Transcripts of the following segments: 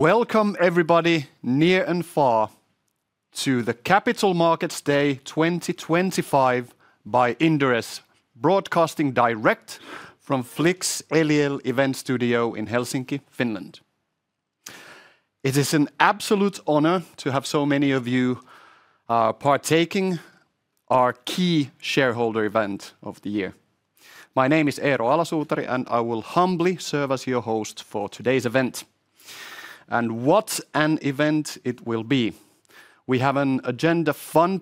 Welcome, everybody, near and far, to the Capital Markets Day 2025 by Inderes, broadcasting direct from Flik Eliel event studio in Helsinki, Finland. It is an absolute honor to have so many of you partaking our key shareholder event of the year. My name is Eero Alasuutari, and I will humbly serve as your host for today's event. What an event it will be. We have an agenda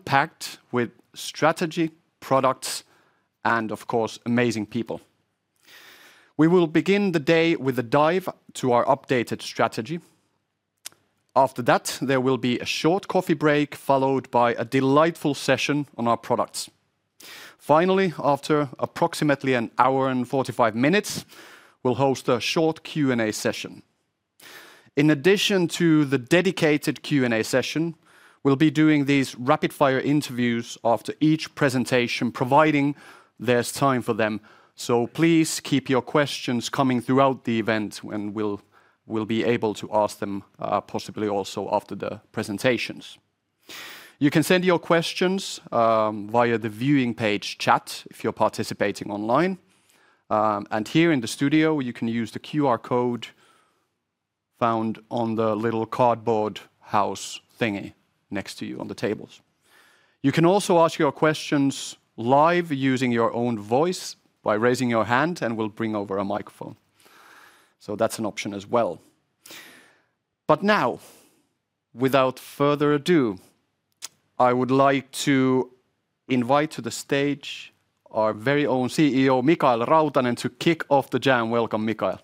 packed with strategy, products, and, of course, amazing people. We will begin the day with a dive to our updated strategy. After that, there will be a short coffee break followed by a delightful session on our products. Finally, after approximately an hour and 45 minutes, we'll host a short Q&A session. In addition to the dedicated Q&A session, we'll be doing these rapid-fire interviews after each presentation, providing there's time for them. Please keep your questions coming throughout the event, and we'll be able to ask them possibly also after the presentations. You can send your questions via the viewing page chat if you're participating online. Here in the studio, you can use the QR code found on the little cardboard house thingy next to you on the tables. You can also ask your questions live using your own voice by raising your hand, and we'll bring over a microphone. That's an option as well. Now, without further ado, I would like to invite to the stage our very own CEO, Mikael Rautanen, to kick off the jam. Welcome, Mikael.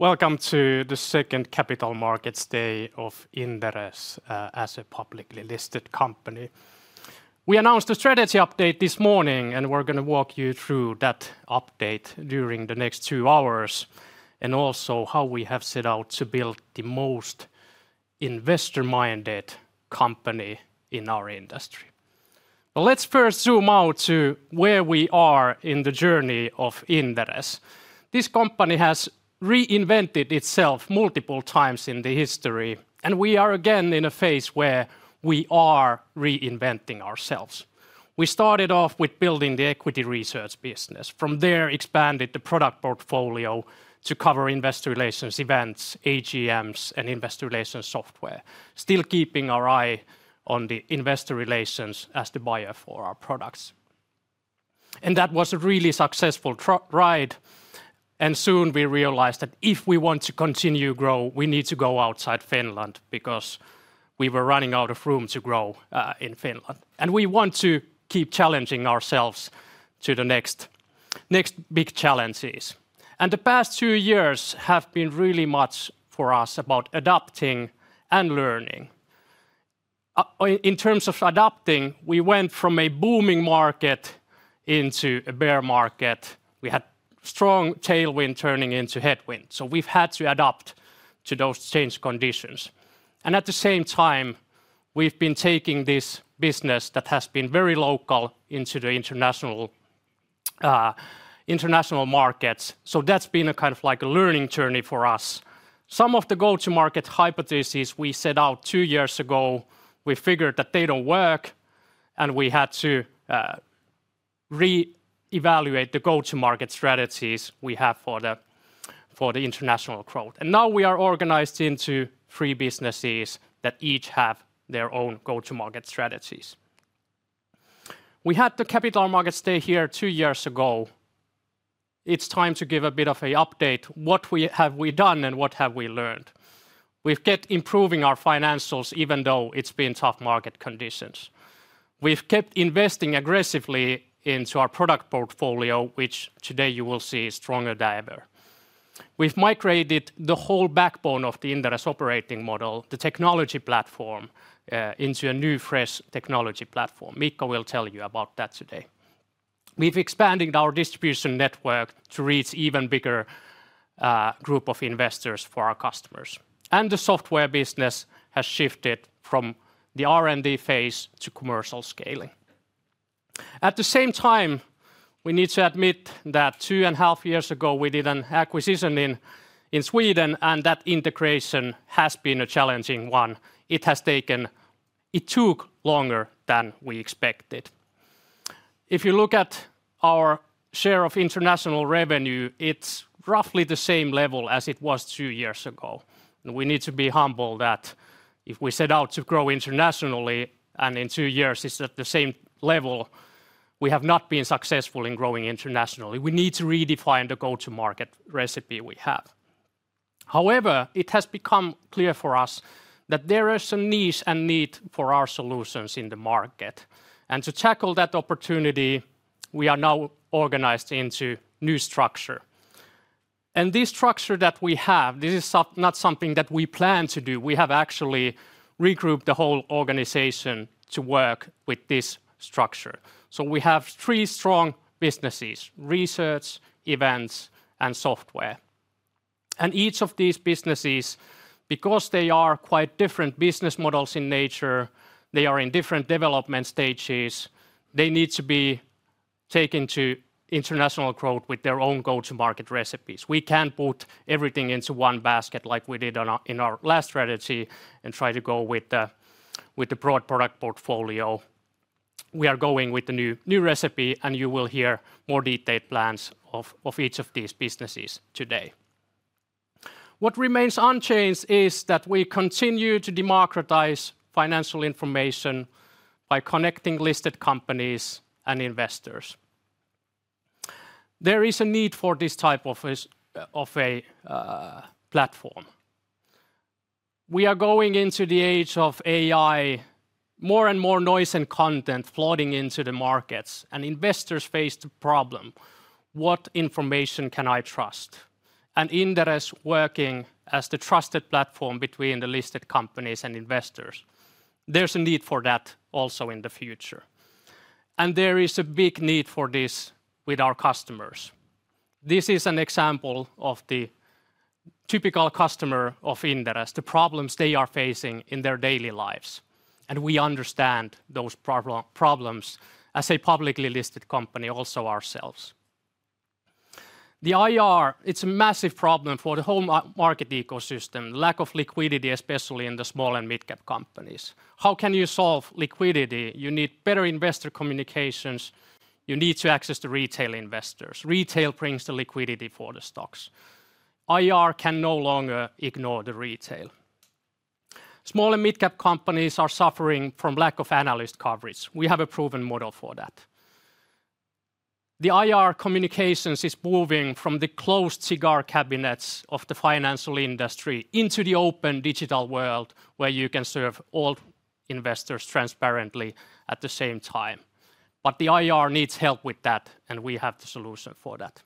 Welcome to the second Capital Markets Day of Inderes as a publicly listed company. We announced a strategy update this morning, and we're going to walk you through that update during the next two hours, and also how we have set out to build the most investor-minded company in our industry. But let's first zoom out to where we are in the journey of Inderes. This company has reinvented itself multiple times in the history, and we are again in a phase where we are reinventing ourselves. We started off with building the equity research business. From there, we expanded the product portfolio to cover investor relations events, AGMs, and investor relations software, still keeping our eye on the investor relations as the buyer for our products. That was a really successful ride. Soon we realized that if we want to continue to grow, we need to go outside Finland because we were running out of room to grow in Finland. We want to keep challenging ourselves to the next big challenges. The past two years have been really much for us about adapting and learning. In terms of adapting, we went from a booming market into a bear market. We had strong tailwind turning into headwind. So we've had to adapt to those change conditions. At the same time, we've been taking this business that has been very local into the international markets. So that's been a kind of like a learning journey for us. Some of the go-to-market hypotheses we set out two years ago, we figured that they don't work, and we had to reevaluate the go-to-market strategies we have for the international growth. Now we are organized into three businesses that each have their own go-to-market strategies. We had the capital markets day here two years ago. It's time to give a bit of an update. What have we done and what have we learned? We've kept improving our financials even though it's been tough market conditions. We've kept investing aggressively into our product portfolio, which today you will see is stronger than ever. We've migrated the whole backbone of the Inderes operating model, the technology platform, into a new fresh technology platform. Miikka will tell you about that today. We've expanded our distribution network to reach an even bigger group of investors for our customers. The software business has shifted from the R&D phase to commercial scaling. At the same time, we need to admit that two and a half years ago we did an acquisition in Sweden, and that integration has been a challenging one. It has taken, it took longer than we expected. If you look at our share of international revenue, it's roughly the same level as it was two years ago. We need to be humble that if we set out to grow internationally and in two years it's at the same level, we have not been successful in growing internationally. We need to redefine the go-to-market recipe we have. However, it has become clear for us that there is a niche and need for our solutions in the market. To tackle that opportunity, we are now organized into a new structure. This structure that we have, this is not something that we plan to do. We have actually regrouped the whole organization to work with this structure. So we have three strong businesses: research, events, and software. Each of these businesses, because they are quite different business models in nature, they are in different development stages, they need to be taken to international growth with their own go-to-market recipes. We can't put everything into one basket like we did in our last strategy and try to go with the broad product portfolio. We are going with a new recipe, and you will hear more detailed plans of each of these businesses today. What remains unchanged is that we continue to democratize financial information by connecting listed companies and investors. There is a need for this type of platform. We are going into the age of AI, more and more noise and content flooding into the markets, and investors face the problem: what information can I trust? Inderes is working as the trusted platform between the listed companies and investors. There's a need for that also in the future. There is a big need for this with our customers. This is an example of the typical customer of Inderes, the problems they are facing in their daily lives. We understand those problems as a publicly listed company also ourselves. The IR, it's a massive problem for the whole market ecosystem, lack of liquidity, especially in the small and mid-cap companies. How can you solve liquidity? You need better investor communications. You need to access the retail investors. Retail brings the liquidity for the stocks. IR can no longer ignore the retail. Small and mid-cap companies are suffering from lack of analyst coverage. We have a proven model for that. The IR communications is moving from the closed cigar cabinets of the financial industry into the open digital world where you can serve all investors transparently at the same time. But the IR needs help with that, and we have the solution for that.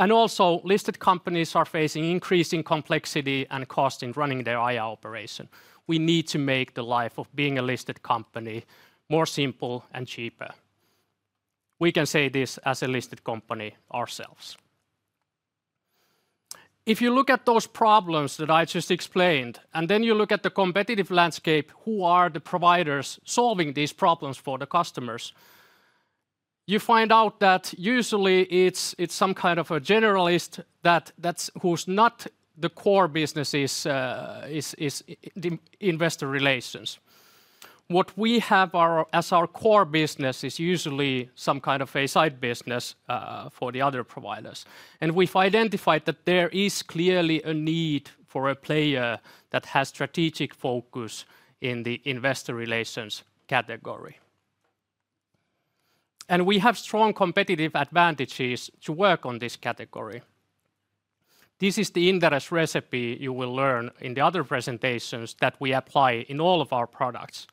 Also, listed companies are facing increasing complexity and cost in running their IR operation. We need to make the life of being a listed company more simple and cheaper. We can say this as a listed company ourselves. If you look at those problems that I just explained, and then you look at the competitive landscape, who are the providers solving these problems for the customers, you find out that usually it's some kind of a generalist whose core business is not investor relations. What we have as our core business is usually some kind of a side business for the other providers. We've identified that there is clearly a need for a player that has strategic focus in the investor relations category. We have strong competitive advantages to work on this category. This is the Inderes recipe you will learn in the other presentations that we apply in all of our products.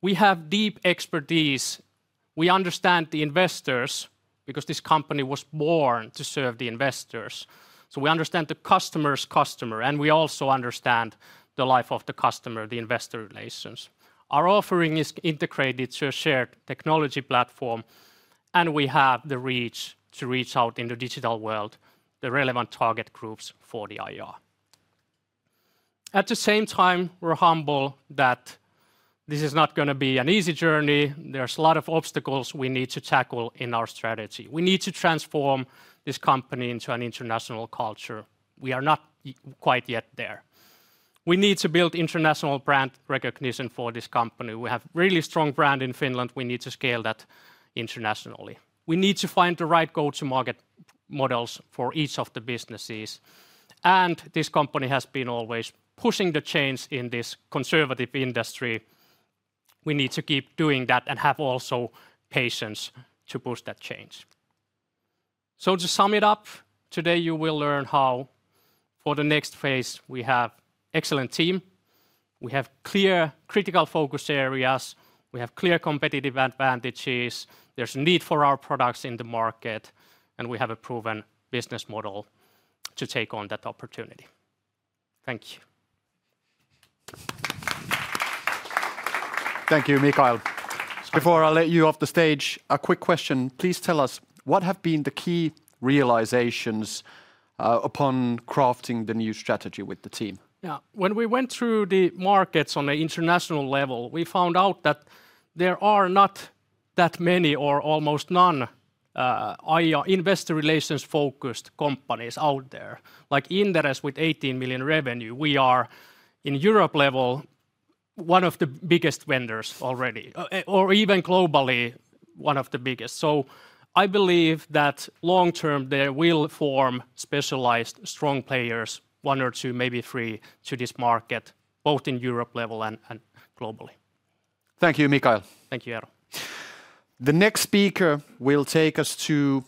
We have deep expertise. We understand the investors because this company was born to serve the investors. So we understand the customer's customer, and we also understand the life of the customer, the investor relations. Our offering is integrated to a shared technology platform, and we have the reach to reach out in the digital world, the relevant target groups for the IR. At the same time, we're humble that this is not going to be an easy journey. There's a lot of obstacles we need to tackle in our strategy. We need to transform this company into an international culture. We are not quite yet there. We need to build international brand recognition for this company. We have a really strong brand in Finland. We need to scale that internationally. We need to find the right go-to-market models for each of the businesses. This company has been always pushing the change in this conservative industry. We need to keep doing that and have also patience to push that change. To sum it up, today you will learn how for the next phase we have an excellent team. We have clear critical focus areas. We have clear competitive advantages. There's a need for our products in the market, and we have a proven business model to take on that opportunity. Thank you. Thank you, Mikael. Before I let you off the stage, a quick question. Please tell us, what have been the key realizations upon crafting the new strategy with the team? Yeah, when we went through the markets on the international level, we found out that there are not that many or almost none IR investor relations focused companies out there. Like Inderes with $18 million revenue, we are in Europe level one of the biggest vendors already, or even globally one of the biggest. So I believe that long term there will form specialized strong players, one or two, maybe three to this market, both in Europe level and globally. Thank you, Mikael. Thank you, Eero. The next speaker will take us to,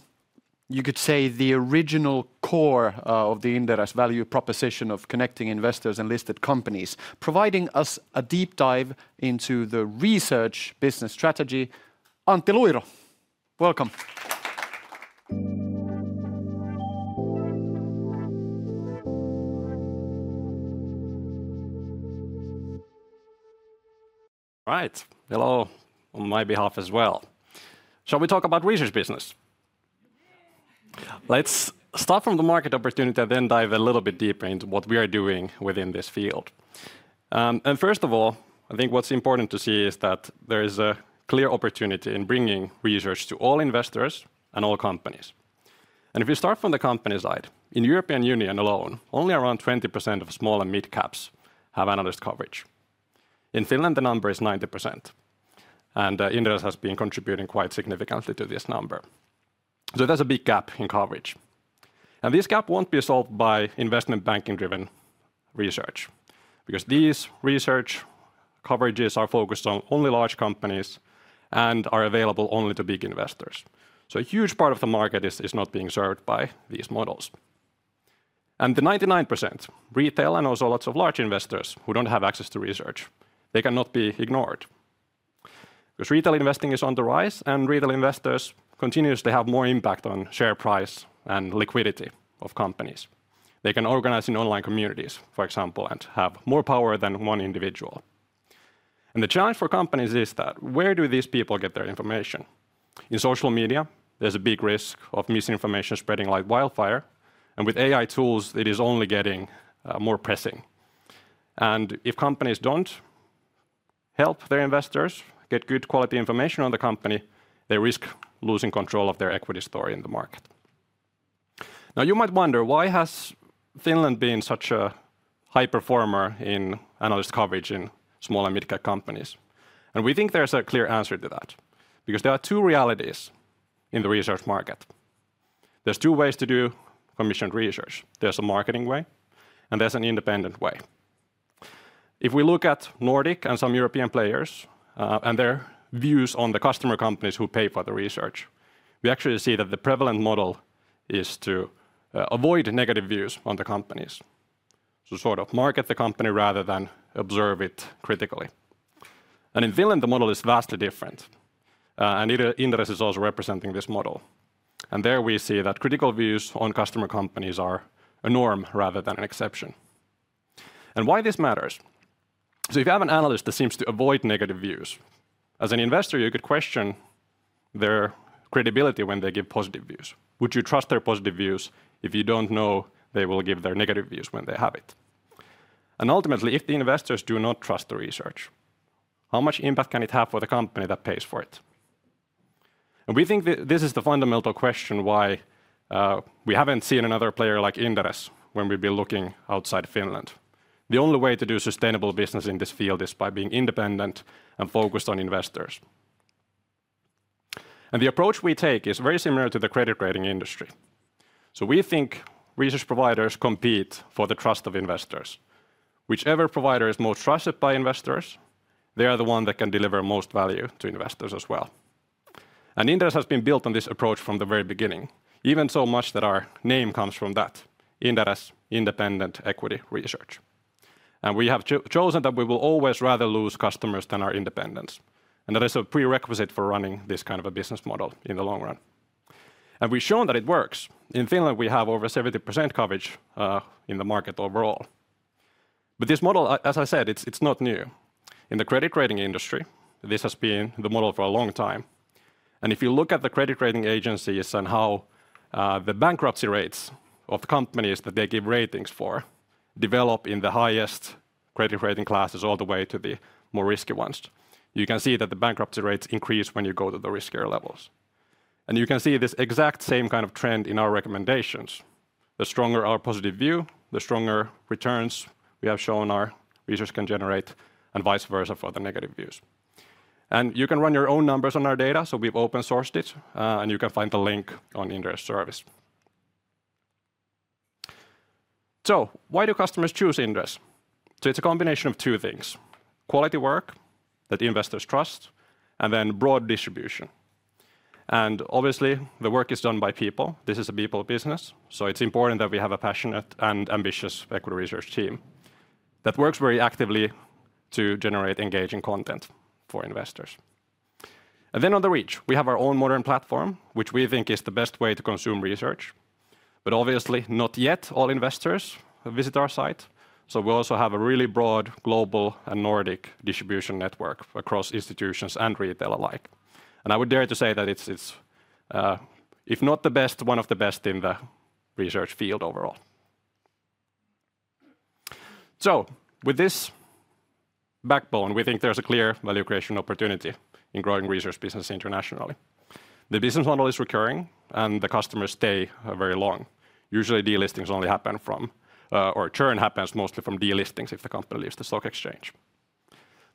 you could say, the original core of the Inderes value proposition of connecting investors and listed companies, providing us a deep dive into the research business strategy. Antti Luiro, welcome. All right, hello on my behalf as well. Shall we talk about research business? Let's start from the market opportunity and then dive a little bit deeper into what we are doing within this field. First of all, I think what's important to see is that there is a clear opportunity in bringing research to all investors and all companies. If you start from the company side, in the European Union alone, only around 20% of small and mid-caps have analyst coverage. In Finland, the number is 90%, and Inderes has been contributing quite significantly to this number. So there's a big gap in coverage. This gap won't be solved by investment banking-driven research because these research coverages are focused on only large companies and are available only to big investors. So a huge part of the market is not being served by these models. The 99% retail and also lots of large investors who don't have access to research cannot be ignored because retail investing is on the rise and retail investors continuously have more impact on share price and liquidity of companies. They can organize in online communities, for example, and have more power than one individual. The challenge for companies is that where do these people get their information? In social media, there's a big risk of misinformation spreading like wildfire, and with AI tools, it is only getting more pressing. If companies don't help their investors get good quality information on the company, they risk losing control of their equity story in the market. Now, you might wonder, why has Finland been such a high performer in analyst coverage in small and mid-cap companies? We think there's a clear answer to that because there are two realities in the research market. There's two ways to do commissioned research. There's a marketing way, and there's an independent way. If we look at Nordic and some European players and their views on the customer companies who pay for the research, we actually see that the prevalent model is to avoid negative views on the companies. Sort of market the company rather than observe it critically. In Finland, the model is vastly different. Inderes is also representing this model. There we see that critical views on customer companies are a norm rather than an exception. Why this matters? If you have an analyst that seems to avoid negative views, as an investor, you could question their credibility when they give positive views. Would you trust their positive views if you don't know they will give their negative views when they have it? Ultimately, if the investors do not trust the research, how much impact can it have for the company that pays for it? We think this is the fundamental question why we haven't seen another player like Inderes when we've been looking outside Finland. The only way to do sustainable business in this field is by being independent and focused on investors. The approach we take is very similar to the credit rating industry. We think research providers compete for the trust of investors. Whichever provider is most trusted by investors, they are the one that can deliver most value to investors as well. Inderes has been built on this approach from the very beginning, even so much that our name comes from that, Inderes Independent Equity Research. We have chosen that we will always rather lose customers than our independence. That is a prerequisite for running this kind of a business model in the long run. We've shown that it works. In Finland, we have over 70% coverage in the market overall. But this model, as I said, it's not new. In the credit rating industry, this has been the model for a long time. If you look at the credit rating agencies and how the bankruptcy rates of the companies that they give ratings for develop in the highest credit rating classes all the way to the more risky ones, you can see that the bankruptcy rates increase when you go to the riskier levels. You can see this exact same kind of trend in our recommendations. The stronger our positive view, the stronger returns we have shown our research can generate and vice versa for the negative views. You can run your own numbers on our data, so we've open-sourced it, and you can find the link on Inderes' service. Why do customers choose Inderes? It's a combination of two things: quality work that investors trust, and then broad distribution. Obviously, the work is done by people. This is a people business, so it's important that we have a passionate and ambitious equity research team that works very actively to generate engaging content for investors. On the reach, we have our own modern platform, which we think is the best way to consume research. Obviously, not yet all investors have visited our site. We also have a really broad global and Nordic distribution network across institutions and retail alike. I would dare to say that it's, if not the best, one of the best in the research field overall. With this backbone, we think there's a clear value creation opportunity in growing research business internationally. The business model is recurring, and the customers stay very long. Usually, delistings only happen from, or churn happens mostly from delistings if the company leaves the stock exchange.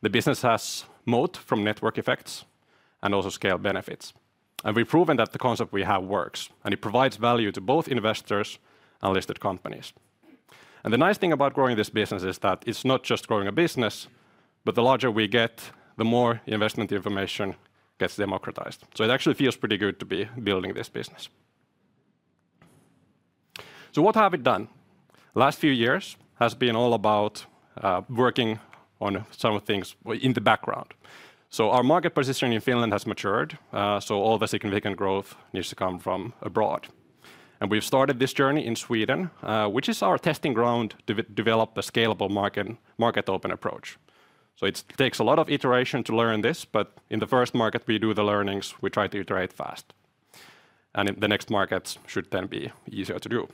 The business has moat from network effects and also scale benefits. We've proven that the concept we have works, and it provides value to both investors and listed companies. The nice thing about growing this business is that it's not just growing a business, but the larger we get, the more investment information gets democratized. It actually feels pretty good to be building this business. What have we done? Last few years has been all about working on some things in the background. Our market position in Finland has matured, so all the significant growth needs to come from abroad. We've started this journey in Sweden, which is our testing ground to develop a scalable market open approach. It takes a lot of iteration to learn this, but in the first market we do the learnings, we try to iterate fast. The next markets should then be easier to do.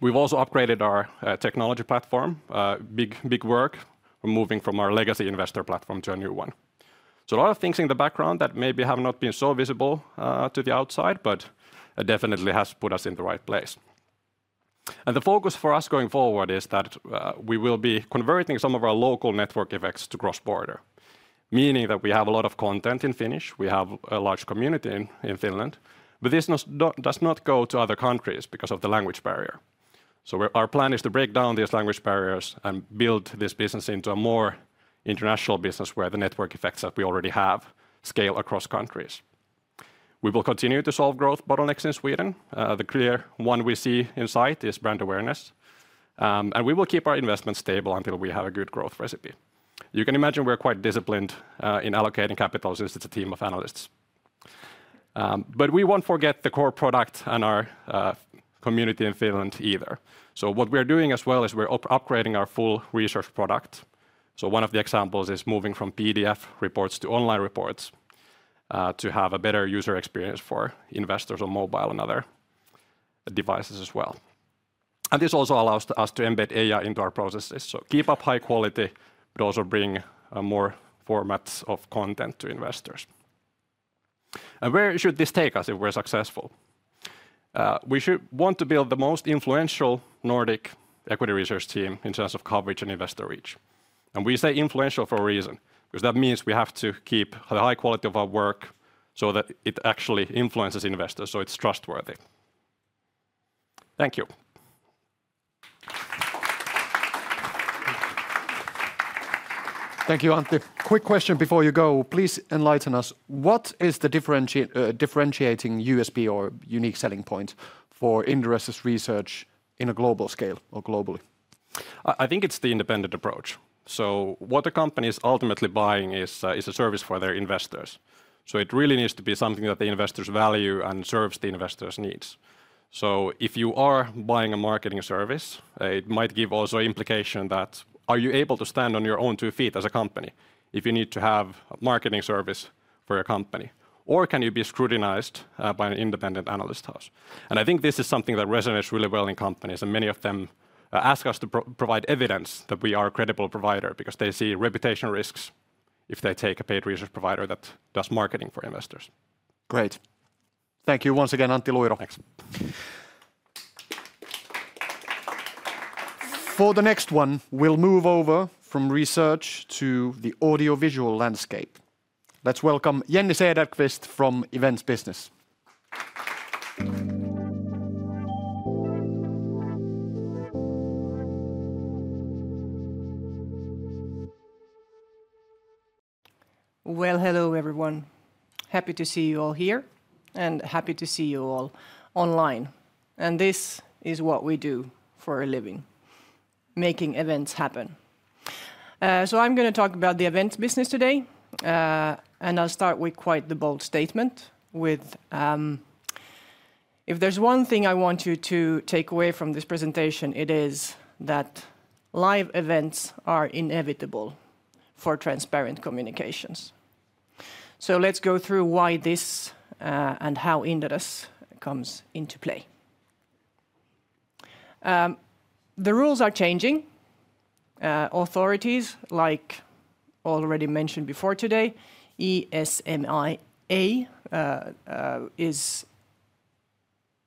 We've also upgraded our technology platform, big work, from moving from our legacy investor platform to a new one. A lot of things in the background that maybe have not been so visible to the outside, but it definitely has put us in the right place. The focus for us going forward is that we will be converting some of our local network effects to cross-border, meaning that we have a lot of content in Finnish, we have a large community in Finland, but this does not go to other countries because of the language barrier. So our plan is to break down these language barriers and build this business into a more international business where the network effects that we already have scale across countries. We will continue to solve growth bottlenecks in Sweden. The clear one we see in sight is brand awareness. We will keep our investments stable until we have a good growth recipe. You can imagine we're quite disciplined in allocating capital since it's a team of analysts. But we won't forget the core product and our community in Finland either. What we're doing as well is we're upgrading our full research product. One of the examples is moving from PDF reports to online reports to have a better user experience for investors on mobile and other devices as well. This also allows us to embed AI into our processes. Keep up high quality, but also bring more formats of content to investors. Where should this take us if we're successful? We should want to build the most influential Nordic equity research team in terms of coverage and investor reach. We say influential for a reason, because that means we have to keep the high quality of our work so that it actually influences investors, so it's trustworthy. Thank you. Thank you, Antti. Quick question before you go. Please enlighten us. What is the differentiating USP or unique selling point for Inderes' research on a global scale or globally? I think it's the independent approach. What the company is ultimately buying is a service for their investors. It really needs to be something that the investors value and serves the investors' needs. If you are buying a marketing service, it might give also implication that are you able to stand on your own two feet as a company if you need to have a marketing service for your company? Or can you be scrutinized by an independent analyst house? I think this is something that resonates really well in companies, and many of them ask us to provide evidence that we are a credible provider because they see reputation risks if they take a paid research provider that does marketing for investors. Great. Thank you once again, Antti Luiro. Thanks. For the next one, we'll move over from research to the audiovisual landscape. Let's welcome Jenny Cederqvist from Events Business. Hello everyone. Happy to see you all here and happy to see you all online. This is what we do for a living, making events happen. I'm going to talk about the events business today, and I'll start with quite the bold statement. If there's one thing I want you to take away from this presentation, it is that live events are inevitable for transparent communications. Let's go through why this and how Inderes comes into play. The rules are changing. Authorities, like already mentioned before today, ESMA,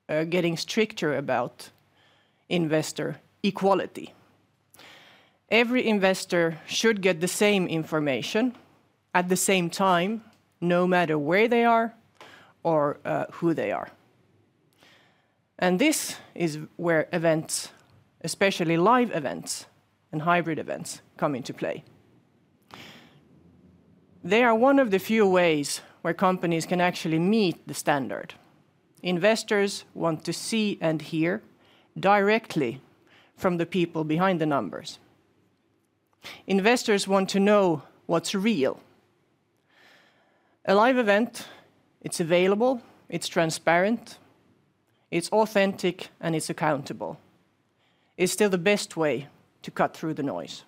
are getting stricter about investor equality. Every investor should get the same information at the same time, no matter where they are or who they are. This is where events, especially live events and hybrid events, come into play. They are one of the few ways where companies can actually meet the standard. Investors want to see and hear directly from the people behind the numbers. Investors want to know what's real. A live event, it's available, it's transparent, it's authentic, and it's accountable. It's still the best way to cut through the noise.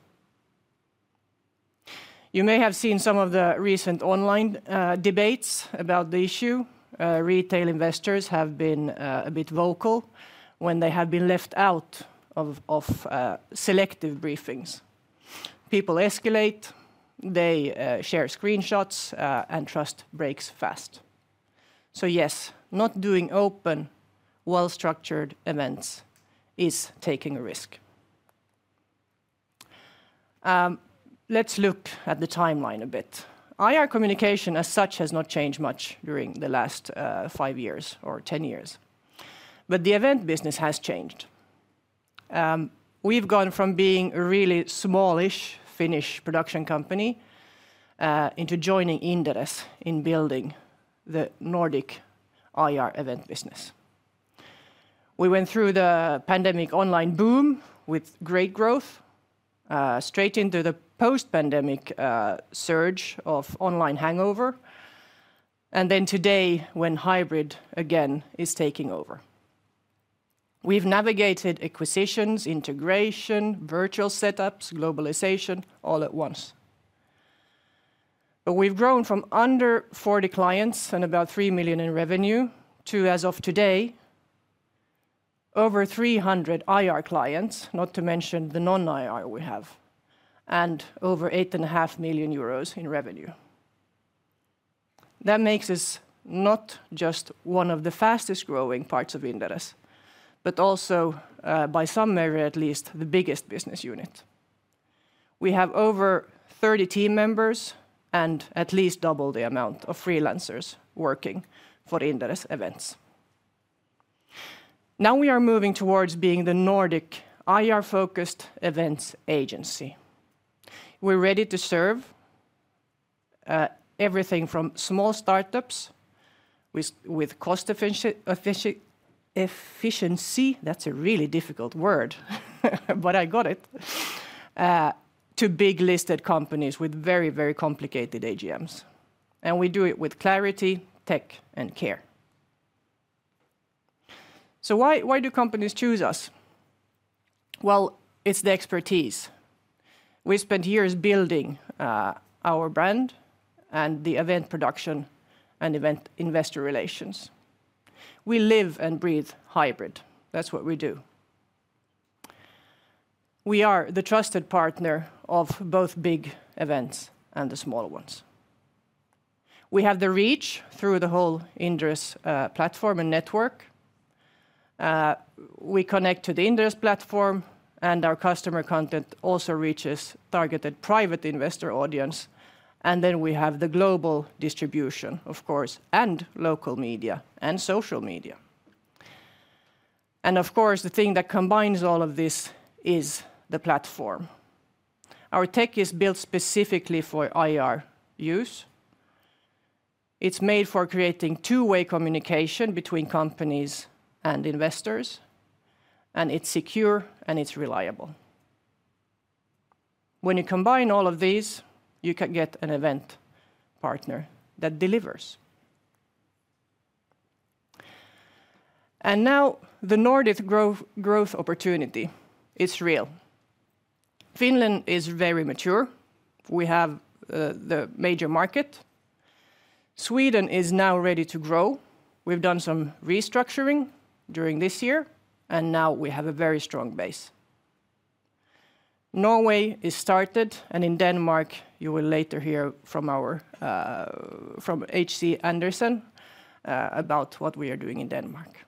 You may have seen some of the recent online debates about the issue. Retail investors have been a bit vocal when they have been left out of selective briefings. People escalate, they share screenshots, and trust breaks fast. Yes, not doing open, well-structured events is taking a risk. Let's look at the timeline a bit. IR communication as such has not changed much during the last five years or ten years, but the event business has changed. We've gone from being a really smallish Finnish production company into joining Inderes in building the Nordic IR event business. We went through the pandemic online boom with great growth, straight into the post-pandemic surge of online hangover, and then today when hybrid again is taking over. We've navigated acquisitions, integration, virtual setups, globalization, all at once. We've grown from under 40 clients and about 3 million in revenue to, as of today, over 300 IR clients, not to mention the non-IR we have, and over 8.5 million euros in revenue. That makes us not just one of the fastest growing parts of Inderes, but also, by some measure at least, the biggest business unit. We have over 30 team members and at least double the amount of freelancers working for Inderes events. Now we are moving towards being the Nordic IR-focused events agency. We're ready to serve everything from small startups with cost efficiency—that's a really difficult word, but I got it—to big listed companies with very, very complicated AGMs. We do it with clarity, tech, and care. So why do companies choose us? Well, it's the expertise. We spent years building our brand and the event production and event investor relations. We live and breathe hybrid. That's what we do. We are the trusted partner of both big events and the small ones. We have the reach through the whole Inderes platform and network. We connect to the Inderes platform, and our customer content also reaches targeted private investor audience. We have the global distribution, of course, and local media and social media. Of course, the thing that combines all of this is the platform. Our tech is built specifically for IR use. It's made for creating two-way communication between companies and investors, and it's secure and it's reliable. When you combine all of these, you can get an event partner that delivers. Now the Nordic growth opportunity is real. Finland is very mature. We have the major market. Sweden is now ready to grow. We've done some restructuring during this year, and now we have a very strong base. Norway is started, and in Denmark, you will later hear from HC Andersen about what we are doing in Denmark.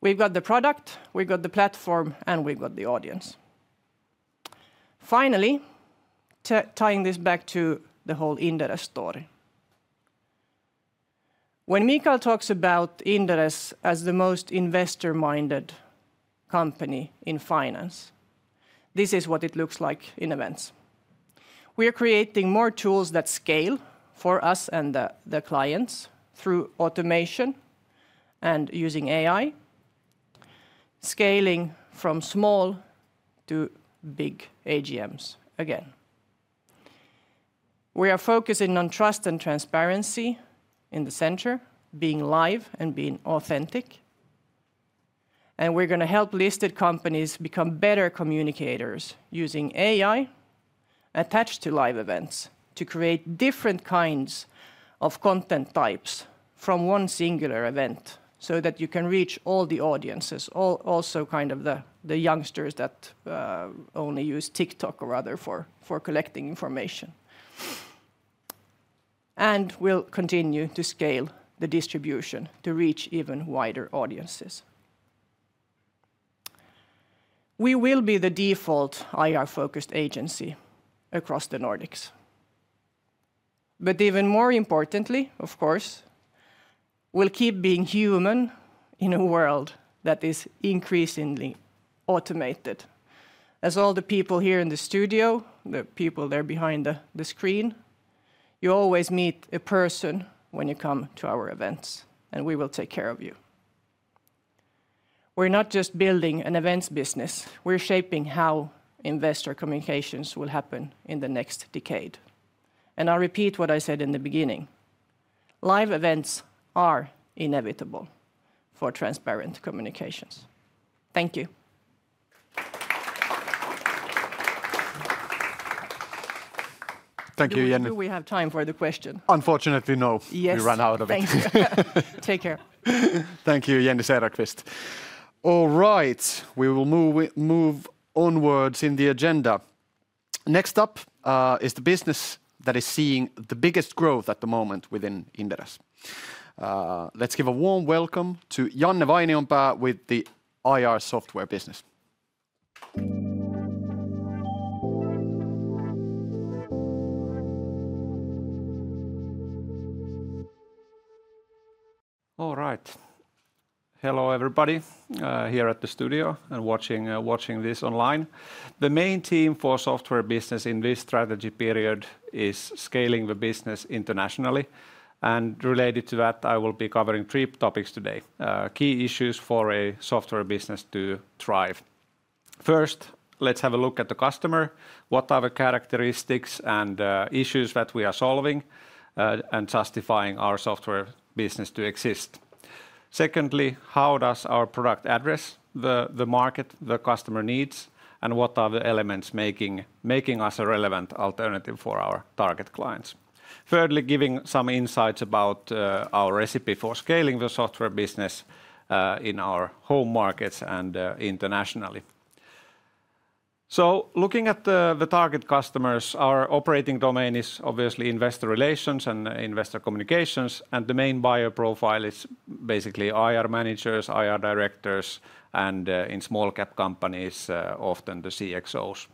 We've got the product, we've got the platform, and we've got the audience. Finally, tying this back to the whole Inderes story. When Mikael talks about Inderes as the most investor-minded company in finance, this is what it looks like in events. We are creating more tools that scale for us and the clients through automation and using AI, scaling from small to big AGMs again. We are focusing on trust and transparency in the center, being live and being authentic. We're going to help listed companies become better communicators using AI attached to live events to create different kinds of content types from one singular event so that you can reach all the audiences, also kind of the youngsters that only use TikTok or other for collecting information. We'll continue to scale the distribution to reach even wider audiences. We will be the default IR-focused agency across the Nordics. But even more importantly, of course, we'll keep being human in a world that is increasingly automated. As all the people here in the studio, the people there behind the screen, you always meet a person when you come to our events, and we will take care of you. We're not just building an events business. We're shaping how investor communications will happen in the next decade. I'll repeat what I said in the beginning. Live events are inevitable for transparent communications. Thank you. Thank you, Jenny. Do we have time for the question? Unfortunately, no. Yes. We ran out of it. Thank you. Take care. Thank you, Jenny Cederqvist. All right, we will move onwards in the agenda. Next up is the business that is seeing the biggest growth at the moment within Inderes. Let's give a warm welcome to Janne Vainionpää with the IR software business. All right. Hello, everybody here at the studio and watching this online. The main theme for software business in this strategy period is scaling the business internationally. Related to that, I will be covering three topics today, key issues for a software business to thrive. First, let's have a look at the customer. What are the characteristics and issues that we are solving and justifying our software business to exist? Secondly, how does our product address the market, the customer needs, and what are the elements making us a relevant alternative for our target clients? Thirdly, giving some insights about our recipe for scaling the software business in our home markets and internationally. Looking at the target customers, our operating domain is obviously investor relations and investor communications. The main buyer profile is basically IR managers, IR directors, and in small cap companies, often the CXOs.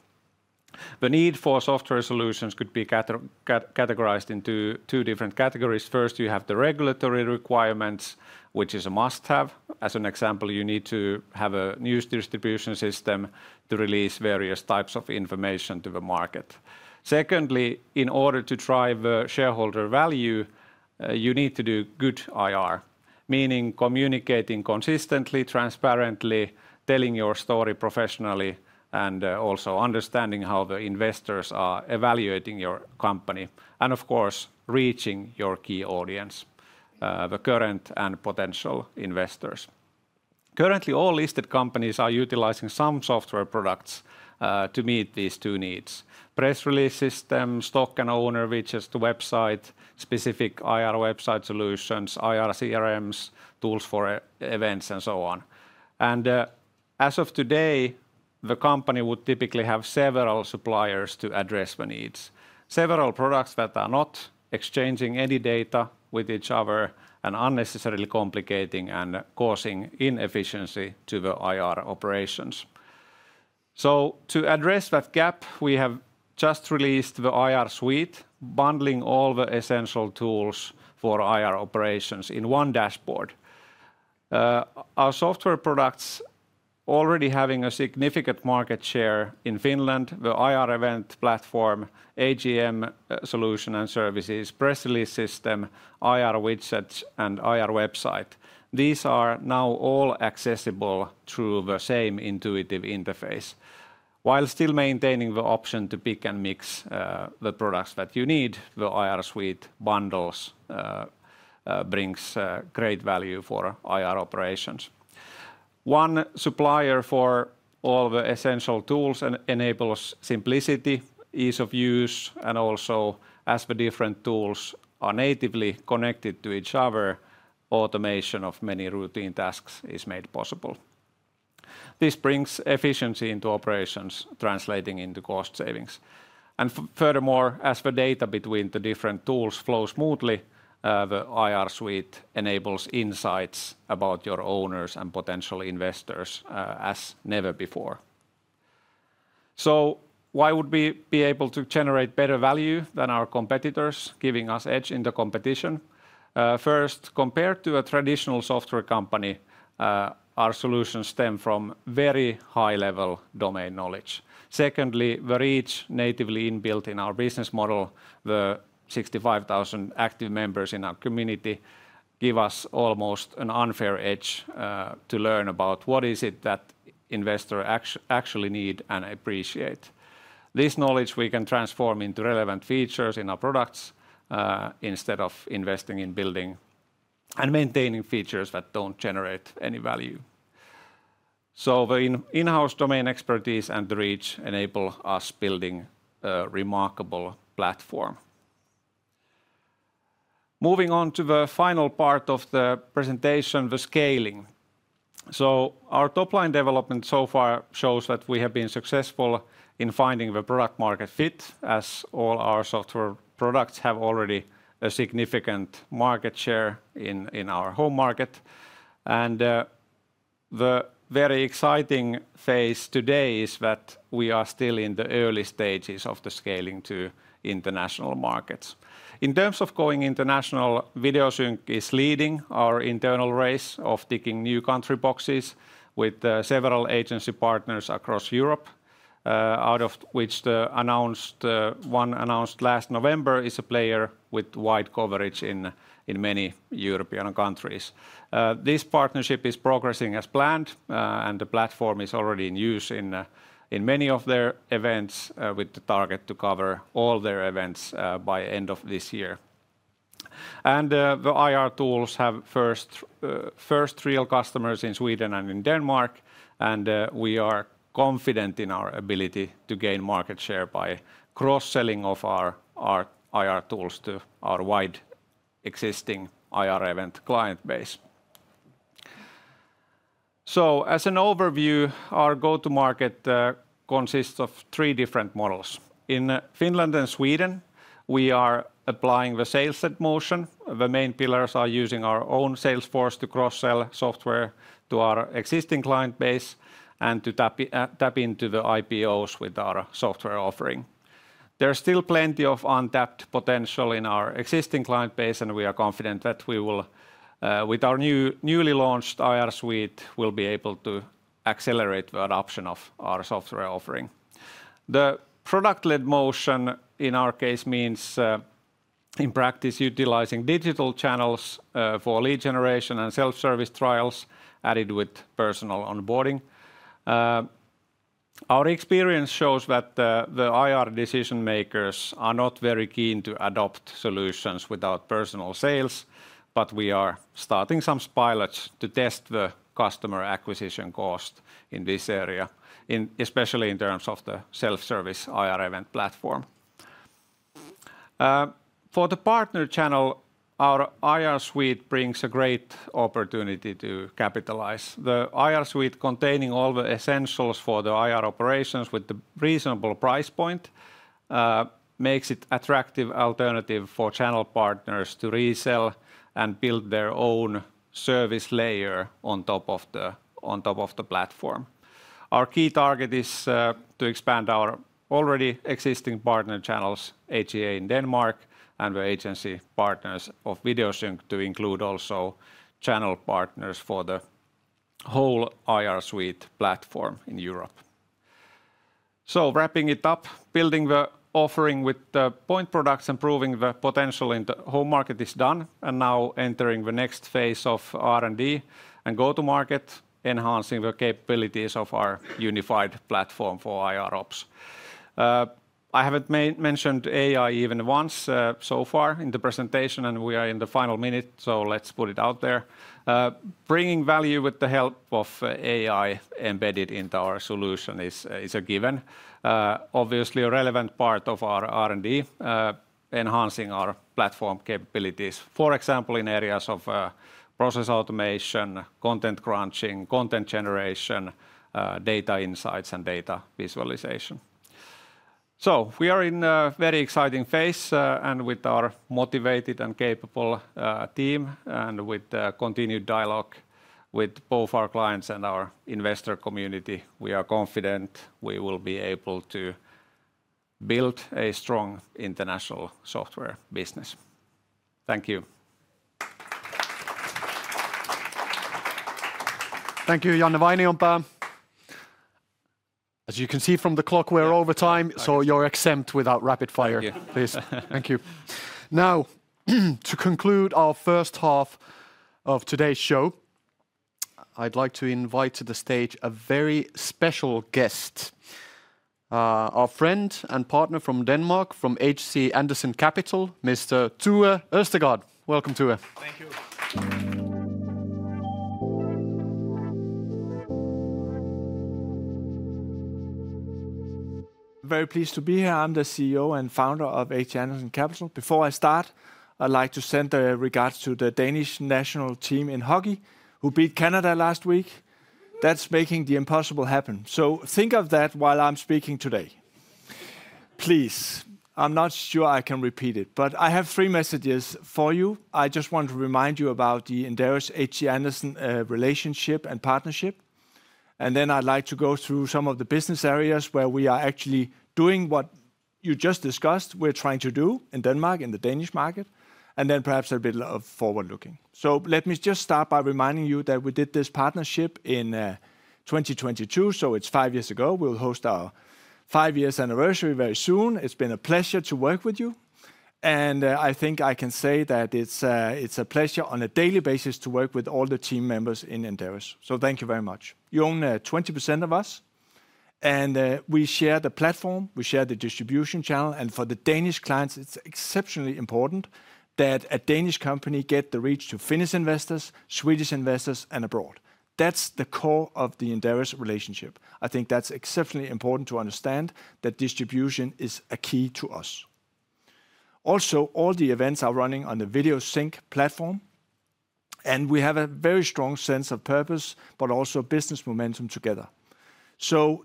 The need for software solutions could be categorized into two different categories. First, you have the regulatory requirements, which is a must-have. As an example, you need to have a news distribution system to release various types of information to the market. Secondly, in order to drive shareholder value, you need to do good IR, meaning communicating consistently, transparently, telling your story professionally, and also understanding how the investors are evaluating your company. And of course, reaching your key audience, the current and potential investors. Currently, all listed companies are utilizing some software products to meet these two needs: press release systems, stock and owner features to website, specific IR website solutions, IR CRMs, tools for events, and so on. As of today, the company would typically have several suppliers to address the needs, several products that are not exchanging any data with each other and unnecessarily complicating and causing inefficiency to the IR operations. To address that gap, we have just released the IR Suite, bundling all the essential tools for IR operations in one dashboard. Our software products are already having a significant market share in Finland: the IR event platform, AGM solution and services, press release system, IR widgets, and IR website. These are now all accessible through the same intuitive interface. While still maintaining the option to pick and mix the products that you need, the IR Suite bundles bring great value for IR operations. One supplier for all the essential tools enables simplicity, ease of use, and also, as the different tools are natively connected to each other, automation of many routine tasks is made possible. This brings efficiency into operations, translating into cost savings. Furthermore, as the data between the different tools flows smoothly, the IR Suite enables insights about your owners and potential investors as never before. So why would we be able to generate better value than our competitors, giving us edge in the competition? First, compared to a traditional software company, our solutions stem from very high-level domain knowledge. Secondly, the reach natively inbuilt in our business model, the 65,000 active members in our community, gives us almost an unfair edge to learn about what is it that investors actually need and appreciate. This knowledge we can transform into relevant features in our products instead of investing in building and maintaining features that don't generate any value. The in-house domain expertise and the reach enable us to build a remarkable platform. Moving on to the final part of the presentation, the scaling. Our top-line development so far shows that we have been successful in finding the product-market fit, as all our software products already have a significant market share in our home market. The very exciting phase today is that we are still in the early stages of the scaling to international markets. In terms of going international, Videosync is leading our internal race of ticking new country boxes with several agency partners across Europe, out of which the one announced last November is a player with wide coverage in many European countries. This partnership is progressing as planned, and the platform is already in use in many of their events, with the target to cover all their events by the end of this year. The IR tools have first real customers in Sweden and in Denmark, and we are confident in our ability to gain market share by cross-selling of our IR tools to our wide existing IR event client base. So as an overview, our go-to-market consists of three different models. In Finland and Sweden, we are applying the sales-led motion. The main pillars are using our own Salesforce to cross-sell software to our existing client base and to tap into the IPOs with our software offering. There's still plenty of untapped potential in our existing client base, and we are confident that with our newly launched IR Suite, we'll be able to accelerate the adoption of our software offering. The product-led motion in our case means, in practice, utilizing digital channels for lead generation and self-service trials added with personal onboarding. Our experience shows that the IR decision-makers are not very keen to adopt solutions without personal sales, but we are starting some pilots to test the customer acquisition cost in this area, especially in terms of the self-service IR event platform. For the partner channel, our IR Suite brings a great opportunity to capitalize. The IR Suite, containing all the essentials for the IR operations with a reasonable price point, makes it an attractive alternative for channel partners to resell and build their own service layer on top of the platform. Our key target is to expand our already existing partner channels, HCA in Denmark, and the agency partners of Videosync to include also channel partners for the whole IR Suite platform in Europe. So wrapping it up, building the offering with the point products and proving the potential in the home market is done, and now entering the next phase of R&D and go-to-market, enhancing the capabilities of our unified platform for IR ops. I haven't mentioned AI even once so far in the presentation, and we are in the final minute, so let's put it out there. Bringing value with the help of AI embedded into our solution is a given, obviously a relevant part of our R&D, enhancing our platform capabilities, for example, in areas of process automation, content crunching, content generation, data insights, and data visualization. We are in a very exciting phase, and with our motivated and capable team and with the continued dialogue with both our clients and our investor community, we are confident we will be able to build a strong international software business. Thank you. Thank you, Janne Vainionpää. As you can see from the clock, we're over time, so you're exempt without rapid fire, please. Thank you. Now, to conclude our first half of today's show, I'd like to invite to the stage a very special guest, our friend and partner from Denmark, from HC Andersen Capital, Mr. Tue Østergård. Welcome, Tue. Thank you. Very pleased to be here. I'm the CEO and founder of HC Andersen Capital. Before I start, I'd like to send the regards to the Danish national team in hockey, who beat Canada last week. That's making the impossible happen. Think of that while I'm speaking today. Please, I'm not sure I can repeat it, but I have three messages for you. I just want to remind you about the Inderes HC Andersen relationship and partnership. I'd like to go through some of the business areas where we are actually doing what you just discussed, we're trying to do in Denmark, in the Danish market, and then perhaps a bit of forward-looking. Let me just start by reminding you that we did this partnership in 2022, so it's five years ago. We'll host our five-year anniversary very soon. It's been a pleasure to work with you. I think I can say that it's a pleasure on a daily basis to work with all the team members in Inderes. Thank you very much. You own 20% of us, and we share the platform, we share the distribution channel. For the Danish clients, it's exceptionally important that a Danish company gets the reach to Finnish investors, Swedish investors, and abroad. That's the core of the Inderes relationship. I think that's exceptionally important to understand that distribution is a key to us. Also, all the events are running on the Videosync platform, and we have a very strong sense of purpose, but also business momentum together.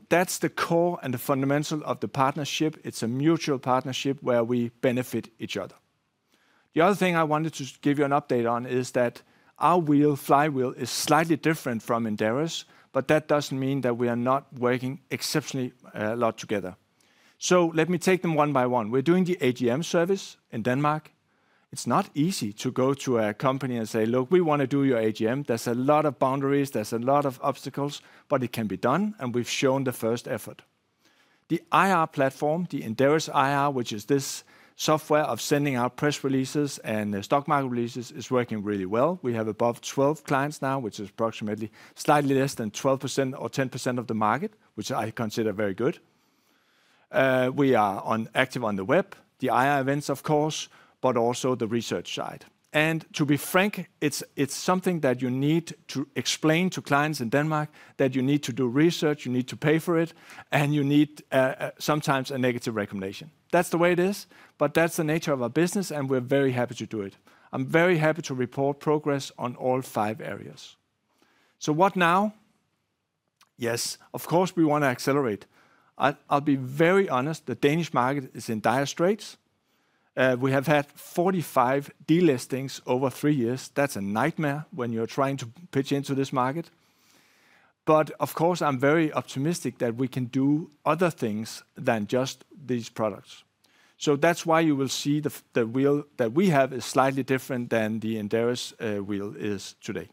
That's the core and the fundamental of the partnership. It's a mutual partnership where we benefit each other. The other thing I wanted to give you an update on is that our wheel, Flywheel, is slightly different from Inderes, but that doesn't mean that we are not working exceptionally a lot together. So let me take them one by one. We're doing the AGM service in Denmark. It's not easy to go to a company and say, "Look, we want to do your AGM." There's a lot of boundaries, there's a lot of obstacles, but it can be done, and we've shown the first effort. The IR platform, the Inderes IR, which is this software of sending out press releases and stock market releases, is working really well. We have above 12 clients now, which is approximately slightly less than 12% or 10% of the market, which I consider very good. We are active on the web, the IR events, of course, but also the research side. To be frank, it's something that you need to explain to clients in Denmark that you need to do research, you need to pay for it, and you need sometimes a negative recommendation. That's the way it is, but that's the nature of our business, and we're very happy to do it. I'm very happy to report progress on all five areas. What now? Yes, of course, we want to accelerate. I'll be very honest, the Danish market is in dire straits. We have had 45 delistings over three years. That's a nightmare when you're trying to pitch into this market. Of course, I'm very optimistic that we can do other things than just these products. That's why you will see the wheel that we have is slightly different than the Inderes wheel is today.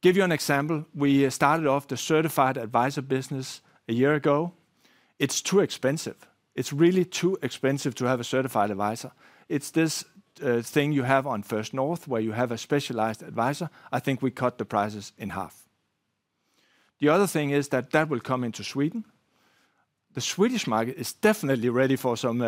Give you an example. We started off the Certified Adviser business a year ago. It's too expensive. It's really too expensive to have a Certified Adviser. It's this thing you have on First North where you have a specialized advisor. I think we cut the prices in half. The other thing is that that will come into Sweden. The Swedish market is definitely ready for some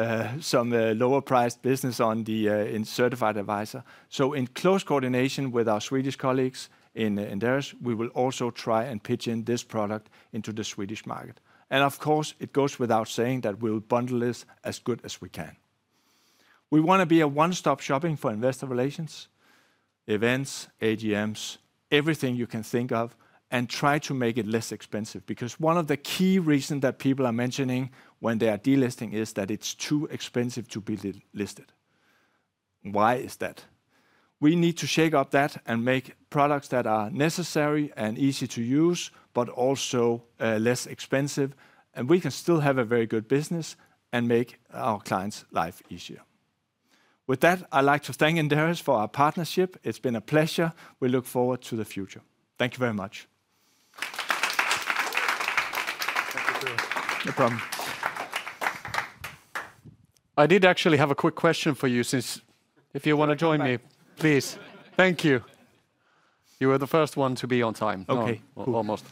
lower-priced business on the Certified Adviser. So in close coordination with our Swedish colleagues in Inderes, we will also try and pitch in this product into the Swedish market. Of course, it goes without saying that we'll bundle this as good as we can. We want to be a one-stop shopping for investor relations, events, AGMs, everything you can think of, and try to make it less expensive. Because one of the key reasons that people are mentioning when they are delisting is that it's too expensive to be listed. Why is that? We need to shake up that and make products that are necessary and easy to use, but also less expensive, and we can still have a very good business and make our clients' life easier. With that, I'd like to thank Inderes for our partnership. It's been a pleasure. We look forward to the future. Thank you very much. Thank you, Tue. No problem. I did actually have a quick question for you. If you want to join me, please. Thank you. You were the first one to be on time. Okay. Almost.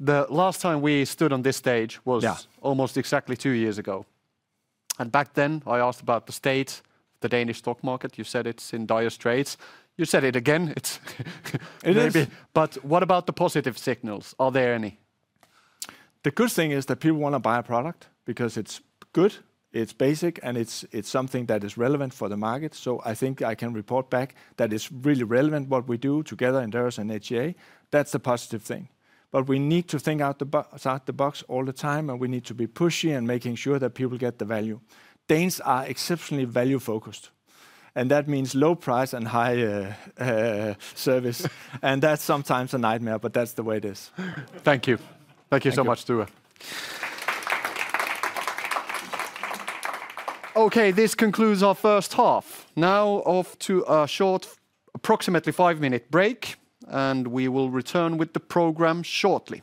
The last time we stood on this stage was almost exactly two years ago. Back then, I asked about the state of the Danish stock market. You said it's in dire straits. You said it again. It is. But what about the positive signals? Are there any? The good thing is that people want to buy a product because it's good, it's basic, and it's something that is relevant for the market. I think I can report back that it's really relevant what we do together, Inderes and HCA. That's the positive thing. But we need to think outside the box all the time, and we need to be pushy and making sure that people get the value. Danes are exceptionally value-focused, and that means low price and high service. That's sometimes a nightmare, but that's the way it is. Thank you. Thank you so much, Tue. Okay, this concludes our first half. Now off to a short, approximately five-minute break, and we will return with the program shortly.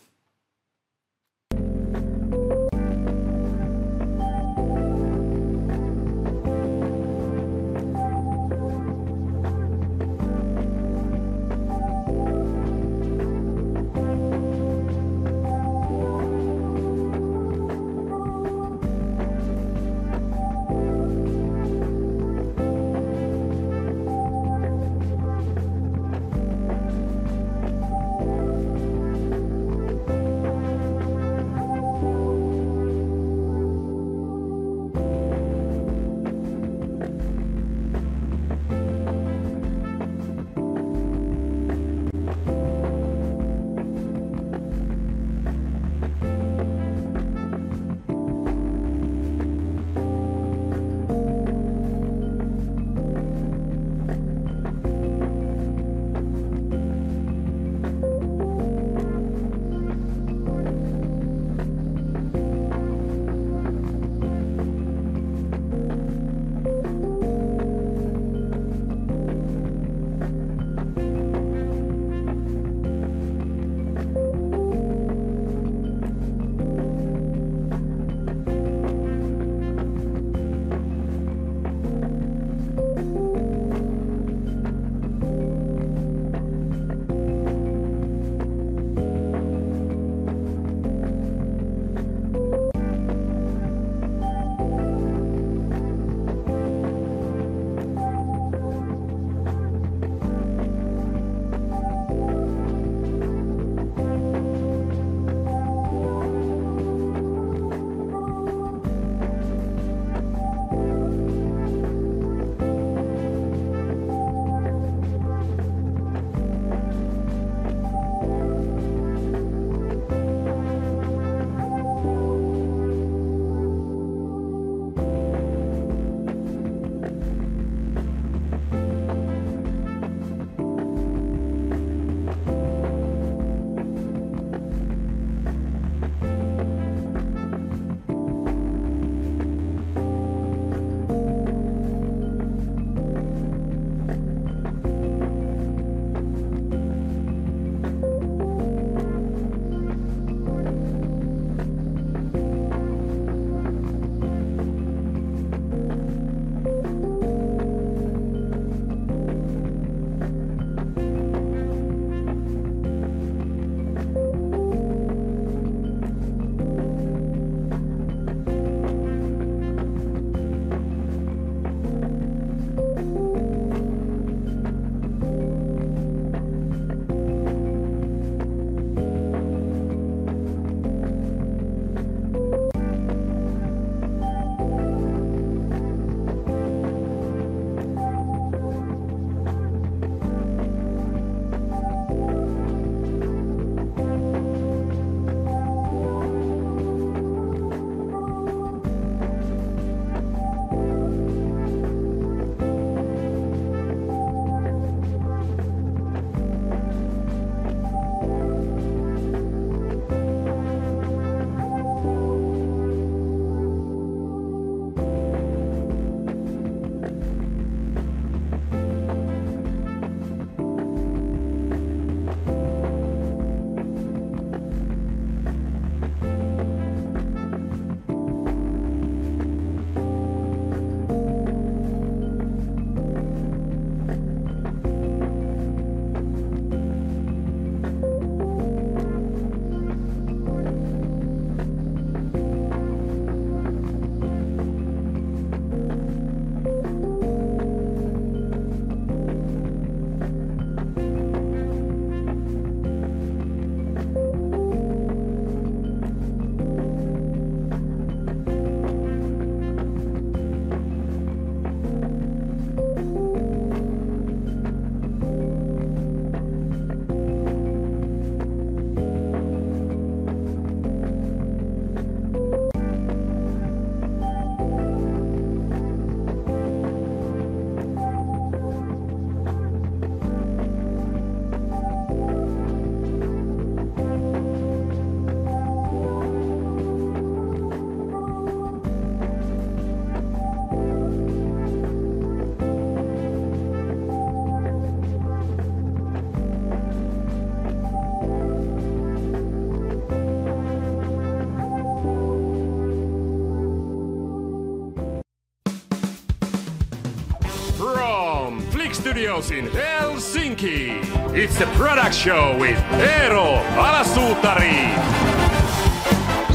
From Flik Studios in Helsinki, it's the product show with Eero Alasuutari,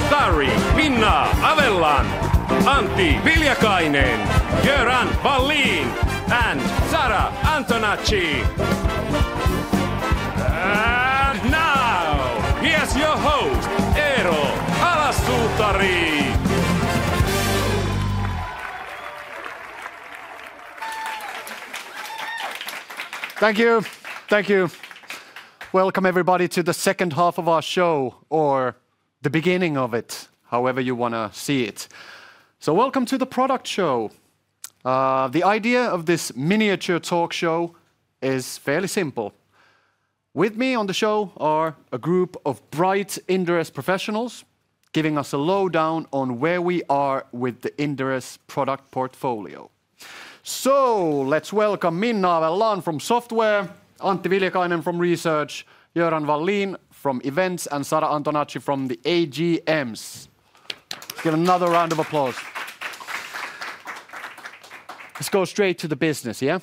Sari Minna Avellan, Antti Viljakainen, Göran Wallin and Sara Antonacci. And now, here's your host, Eero Alasuutari. Thank you. Thank you. Welcome, everybody, to the second half of our show, or the beginning of it, however you want to see it. Welcome to the product show. The idea of this miniature talk show is fairly simple. With me on the show are a group of bright Inderes professionals giving us a lowdown on where we are with the Inderes product portfolio. Let's welcome Minna Avellan from software, Antti Viljakainen from research, Göran Wallin from events, and Sara Antonacci from the AGMs. Give another round of applause. Let's go straight to the business, yeah?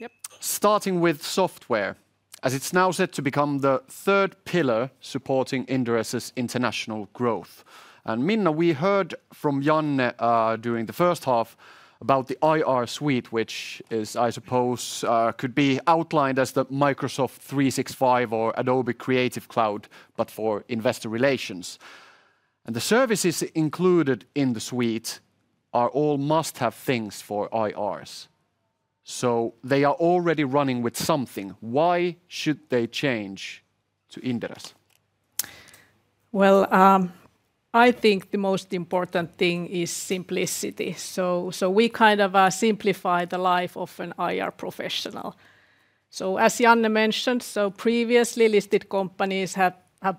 Yep. Starting with software, as it's now set to become the third pillar supporting Inderes' international growth. And Minna, we heard from Janne during the first half about the IR Suite, which is, I suppose, could be outlined as the Microsoft 365 or Adobe Creative Cloud, but for investor relations. The services included in the suite are all must-have things for IRs. So they are already running with something. Why should they change to Inderes? I think the most important thing is simplicity. We kind of simplify the life of an IR professional. As Janne mentioned, previously listed companies have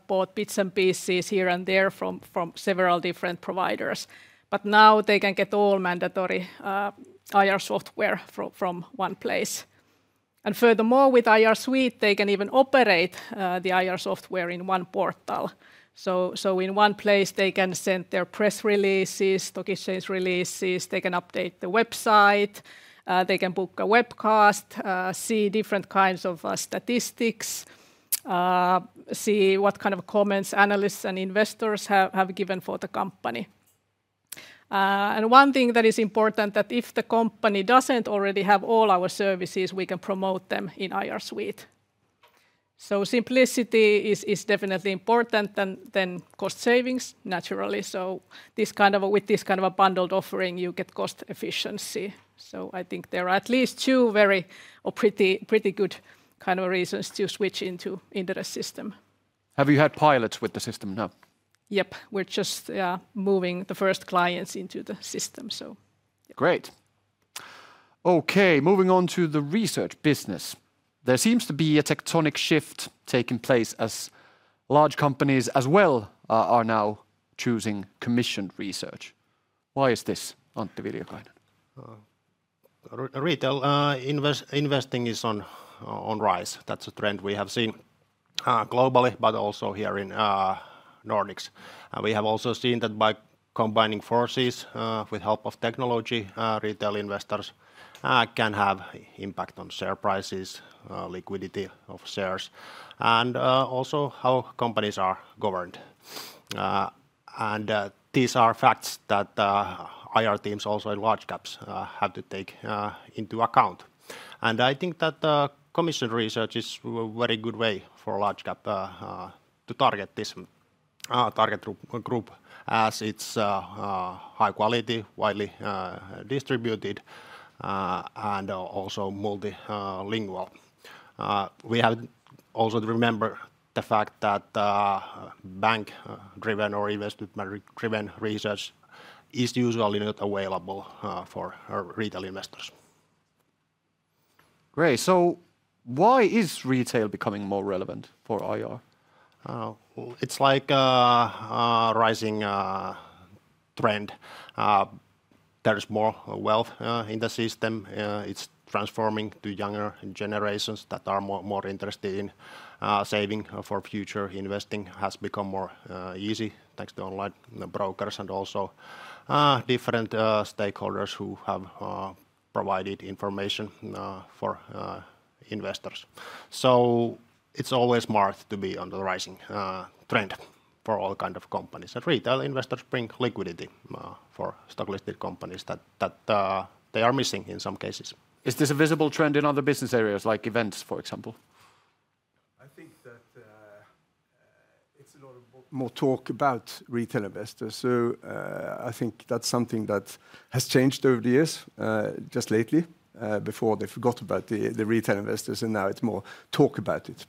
bought bits and pieces here and there from several different providers. But now they can get all mandatory IR software from one place. Furthermore, with IR Suite, they can even operate the IR software in one portal. In one place, they can send their press releases, stock exchange releases, they can update the website, they can book a webcast, see different kinds of statistics, see what kind of comments analysts and investors have given for the company. One thing that is important is that if the company doesn't already have all our services, we can promote them in IR Suite. Simplicity is definitely important than cost savings, naturally. With this kind of bundled offering, you get cost efficiency. I think there are at least two very good reasons to switch into Inderes system. Have you had pilots with the system now? Yep, we're just moving the first clients into the system, so. Great. Okay, moving on to the research business. There seems to be a tectonic shift taking place as large companies as well are now choosing commissioned research. Why is this, Antti Viljakainen? Retail investing is on the rise. That's a trend we have seen globally, but also here in the Nordics. We have also seen that by combining forces with the help of technology, retail investors can have an impact on share prices, liquidity of shares, and also how companies are governed. These are facts that IR teams also in large caps have to take into account. I think that commissioned research is a very good way for large cap to target this target group as it's high quality, widely distributed, and also multilingual. We also have to remember the fact that bank-driven or investor-driven research is usually not available for retail investors. Great. So why is retail becoming more relevant for IR? It's like a rising trend. There's more wealth in the system. It's transforming to younger generations that are more interested in saving for future investing. It has become more easy thanks to online brokers and also different stakeholders who have provided information for investors. So it's always smart to be on the rising trend for all kinds of companies. Retail investors bring liquidity for stock-listed companies that they are missing in some cases. Is this a visible trend in other business areas, like events, for example? I think that there's a lot more talk about retail investors. I think that's something that has changed over the years just lately. Before, they forgot about the retail investors, and now there's more talk about it.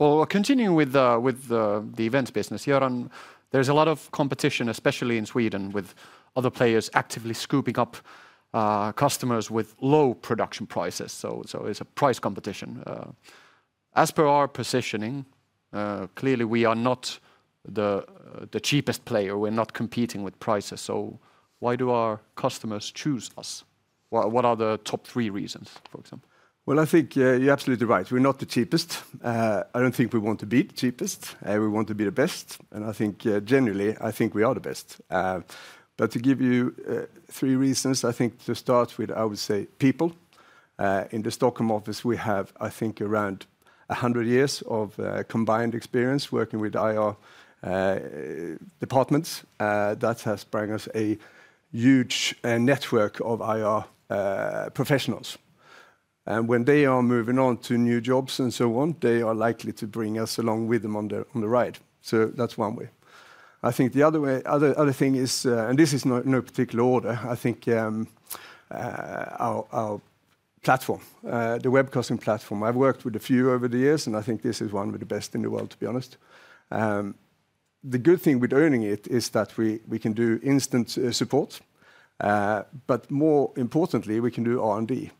Well, continuing with the events business, Göran, there's a lot of competition, especially in Sweden, with other players actively scooping up customers with low production prices. It's a price competition. As per our positioning, clearly we are not the cheapest player. We're not competing with prices. So why do our customers choose us? What are the top three reasons, for example? I think you're absolutely right. We're not the cheapest. I don't think we want to be the cheapest. We want to be the best. I think generally, I think we are the best. But to give you three reasons, I think to start with, I would say people. In the Stockholm office, we have, I think, around 100 years of combined experience working with IR departments. That has brought us a huge network of IR professionals. When they are moving on to new jobs and so on, they are likely to bring us along with them on the ride. So that's one way. I think the other thing is, and this is in no particular order, I think our platform, the webcasting platform. I've worked with a few over the years, and I think this is one of the best in the world, to be honest. The good thing with owning it is that we can do instant support, but more importantly, we can do R&D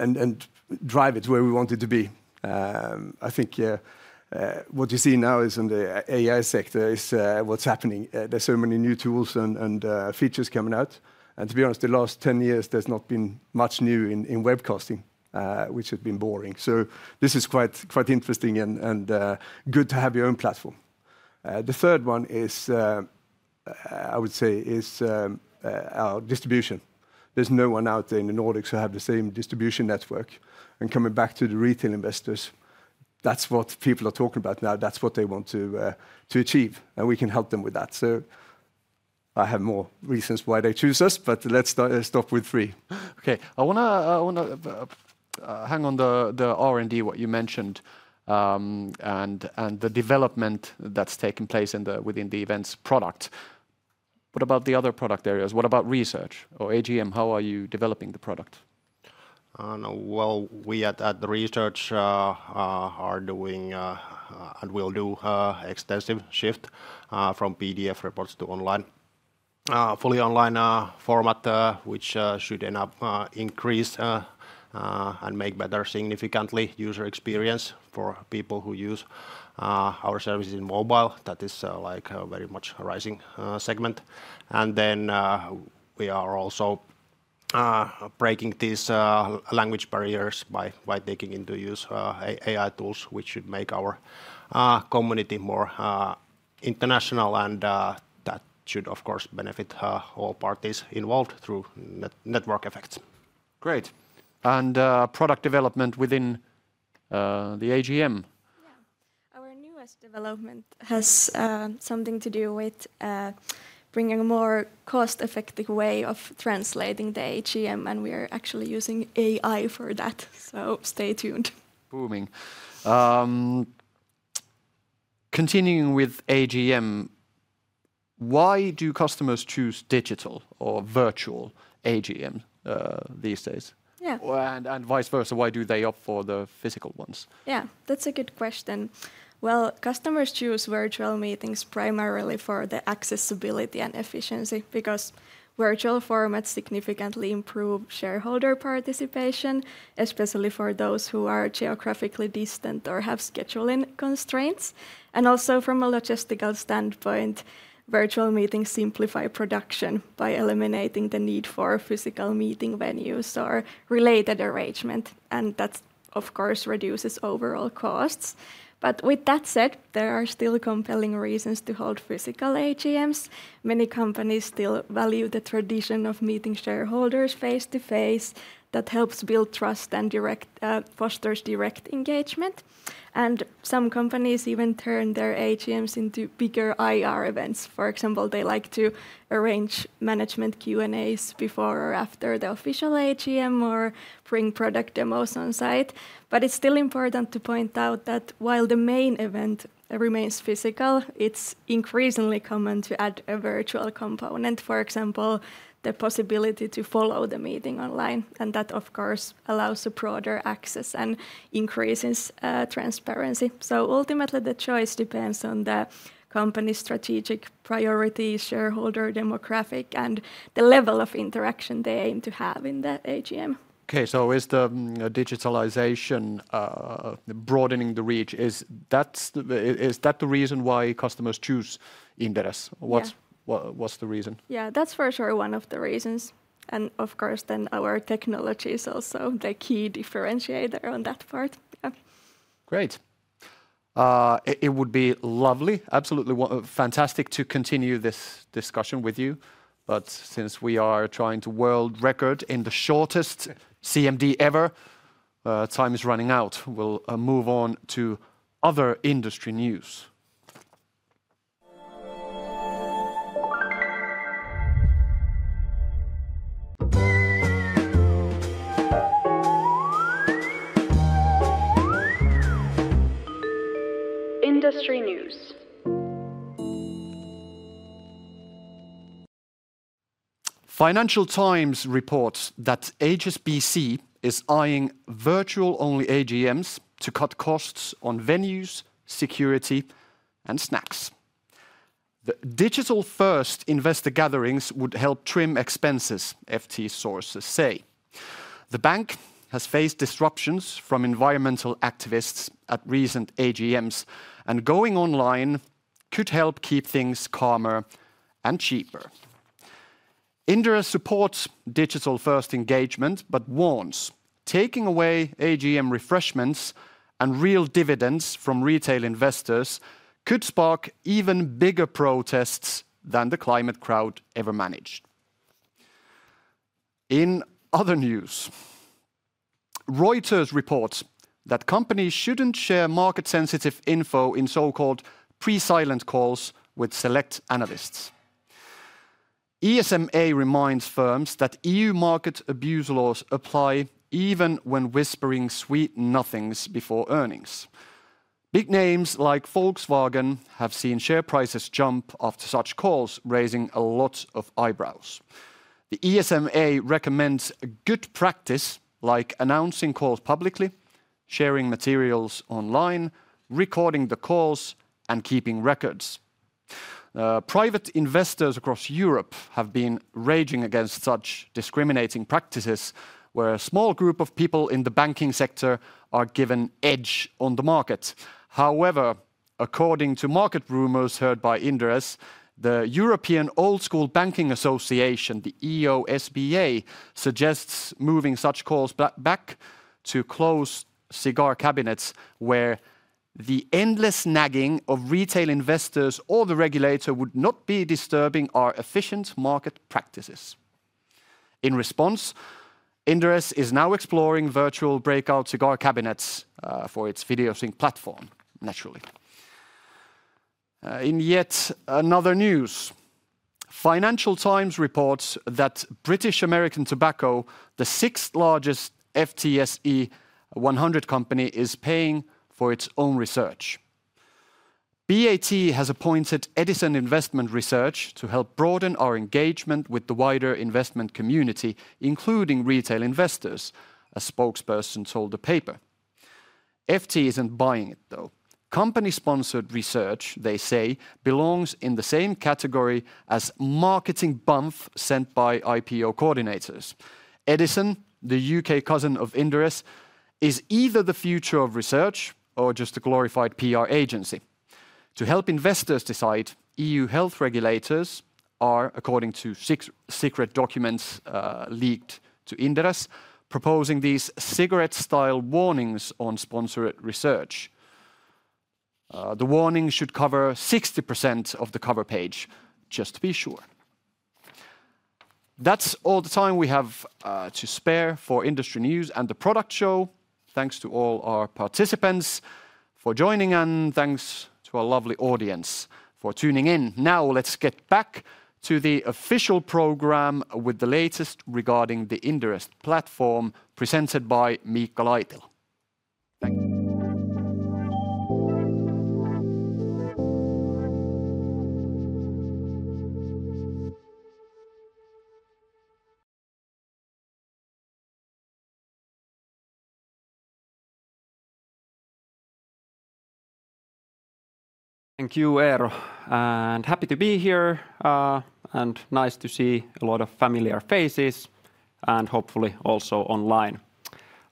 and drive it to where we want it to be. I think what you see now in the AI sector is what's happening. There's so many new tools and features coming out. To be honest, the last 10 years, there's not been much new in webcasting, which has been boring. This is quite interesting and good to have your own platform. The third one is our distribution. There's no one out there in the Nordics who has the same distribution network. Coming back to the retail investors, that's what people are talking about now. That's what they want to achieve. We can help them with that. I have more reasons why they choose us, but let's stop with three. Okay. I want to hang on the R&D, what you mentioned, and the development that's taking place within the events product. What about the other product areas? What about research? Or AGM, how are you developing the product? We at research are doing and will do an extensive shift from PDF reports to online, fully online format, which should increase and make significantly better user experience for people who use our services on mobile. That is a very much rising segment. We are also breaking these language barriers by taking into use AI tools, which should make our community more international. That should, of course, benefit all parties involved through network effects. Great. And product development within the AGM? Yeah. Our newest development has something to do with bringing a more cost-effective way of translating the AGM, and we are actually using AI for that. So stay tuned. Booming. Continuing with AGM, why do customers choose digital or virtual AGM these days? Yeah. And vice versa, why do they opt for the physical ones? That's a good question. Well, customers choose virtual meetings primarily for the accessibility and efficiency because virtual formats significantly improve shareholder participation, especially for those who are geographically distant or have scheduling constraints. Also from a logistical standpoint, virtual meetings simplify production by eliminating the need for physical meeting venues or related arrangements. That, of course, reduces overall costs. But with that said, there are still compelling reasons to hold physical AGMs. Many companies still value the tradition of meeting shareholders face-to-face. That helps build trust and fosters direct engagement. Some companies even turn their AGMs into bigger IR events. For example, they like to arrange management Q&As before or after the official AGM or bring product demos on site. But it's still important to point out that while the main event remains physical, it's increasingly common to add a virtual component, for example, the possibility to follow the meeting online. That, of course, allows a broader access and increases transparency. Ultimately, the choice depends on the company's strategic priorities, shareholder demographic, and the level of interaction they aim to have in the AGM. Okay, so is the digitalization, broadening the reach, is that the reason why customers choose Inderes? Yeah. What's the reason? Yeah, that's for sure one of the reasons. And of course, then our technology is also the key differentiator on that part. Great. It would be lovely, absolutely fantastic to continue this discussion with you. But since we are trying to world record in the shortest CMD ever, time is running out. We'll move on to other industry news. Industry news. Financial Times reports that HSBC is eyeing virtual-only AGMs to cut costs on venues, security, and snacks. The digital-first investor gatherings would help trim expenses, FT sources say. The bank has faced disruptions from environmental activists at recent AGMs, and going online could help keep things calmer and cheaper. Inderes supports digital-first engagement, but warns taking away AGM refreshments and real dividends from retail investors could spark even bigger protests than the climate crowd ever managed. In other news, Reuters reports that companies shouldn't share market-sensitive info in so-called pre-silent calls with select analysts. ESMA reminds firms that EU market abuse laws apply even when whispering sweet nothings before earnings. Big names like Volkswagen have seen share prices jump after such calls, raising a lot of eyebrows. The ESMA recommends good practice, like announcing calls publicly, sharing materials online, recording the calls, and keeping records. Private investors across Europe have been raging against such discriminating practices, where a small group of people in the banking sector are given edge on the market. However, according to market rumors heard by Inderes, the European Old School Banking Association, the EOSBA, suggests moving such calls back to closed cigar cabinets, where the endless nagging of retail investors or the regulator would not be disturbing our efficient market practices. In response, Inderes is now exploring virtual breakout cigar cabinets for its Videosync platform, naturally. In yet another news, Financial Times reports that British American Tobacco, the sixth largest FTSE 100 company, is paying for its own research. BAT has appointed Edison Investment Research to help broaden our engagement with the wider investment community, including retail investors, a spokesperson told the paper. FT isn't buying it, though. Company-sponsored research, they say, belongs in the same category as marketing bumf sent by IPO coordinators. Edison, the UK cousin of Inderes, is either the future of research or just a glorified PR agency. To help investors decide, EU health regulators are, according to secret documents leaked to Inderes, proposing these cigarette-style warnings on sponsored research. The warning should cover 60% of the cover page, just to be sure. That's all the time we have to spare for industry news and the product show. Thanks to all our participants for joining, and thanks to our lovely audience for tuning in. Now let's get back to the official program with the latest regarding the Inderes platform, presented by Miikka Laitila. Thank you. Thank you, Eero. Happy to be here, and nice to see a lot of familiar faces, and hopefully also online.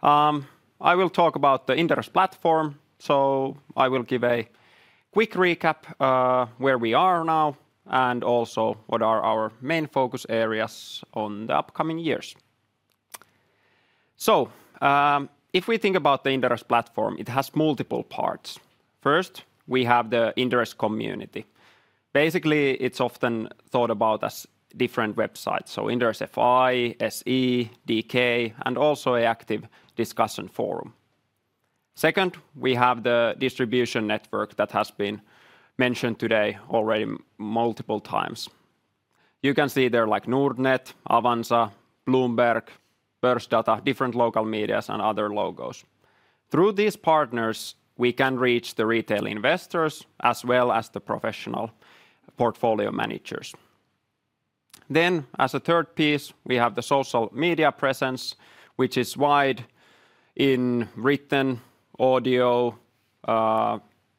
I will talk about the Inderes platform, so I will give a quick recap where we are now, and also what are our main focus areas in the upcoming years. If we think about the Inderes platform, it has multiple parts. First, we have the Inderes community. Basically, it's often thought about as different websites. Inderes.fi, se, dk, and also an active discussion forum. Second, we have the distribution network that has been mentioned today already multiple times. You can see there like Nordnet, Avanza, Bloomberg, Börsdata, different local media, and other logos. Through these partners, we can reach the retail investors as well as the professional portfolio managers. As a third piece, we have the social media presence, which is wide in written, audio,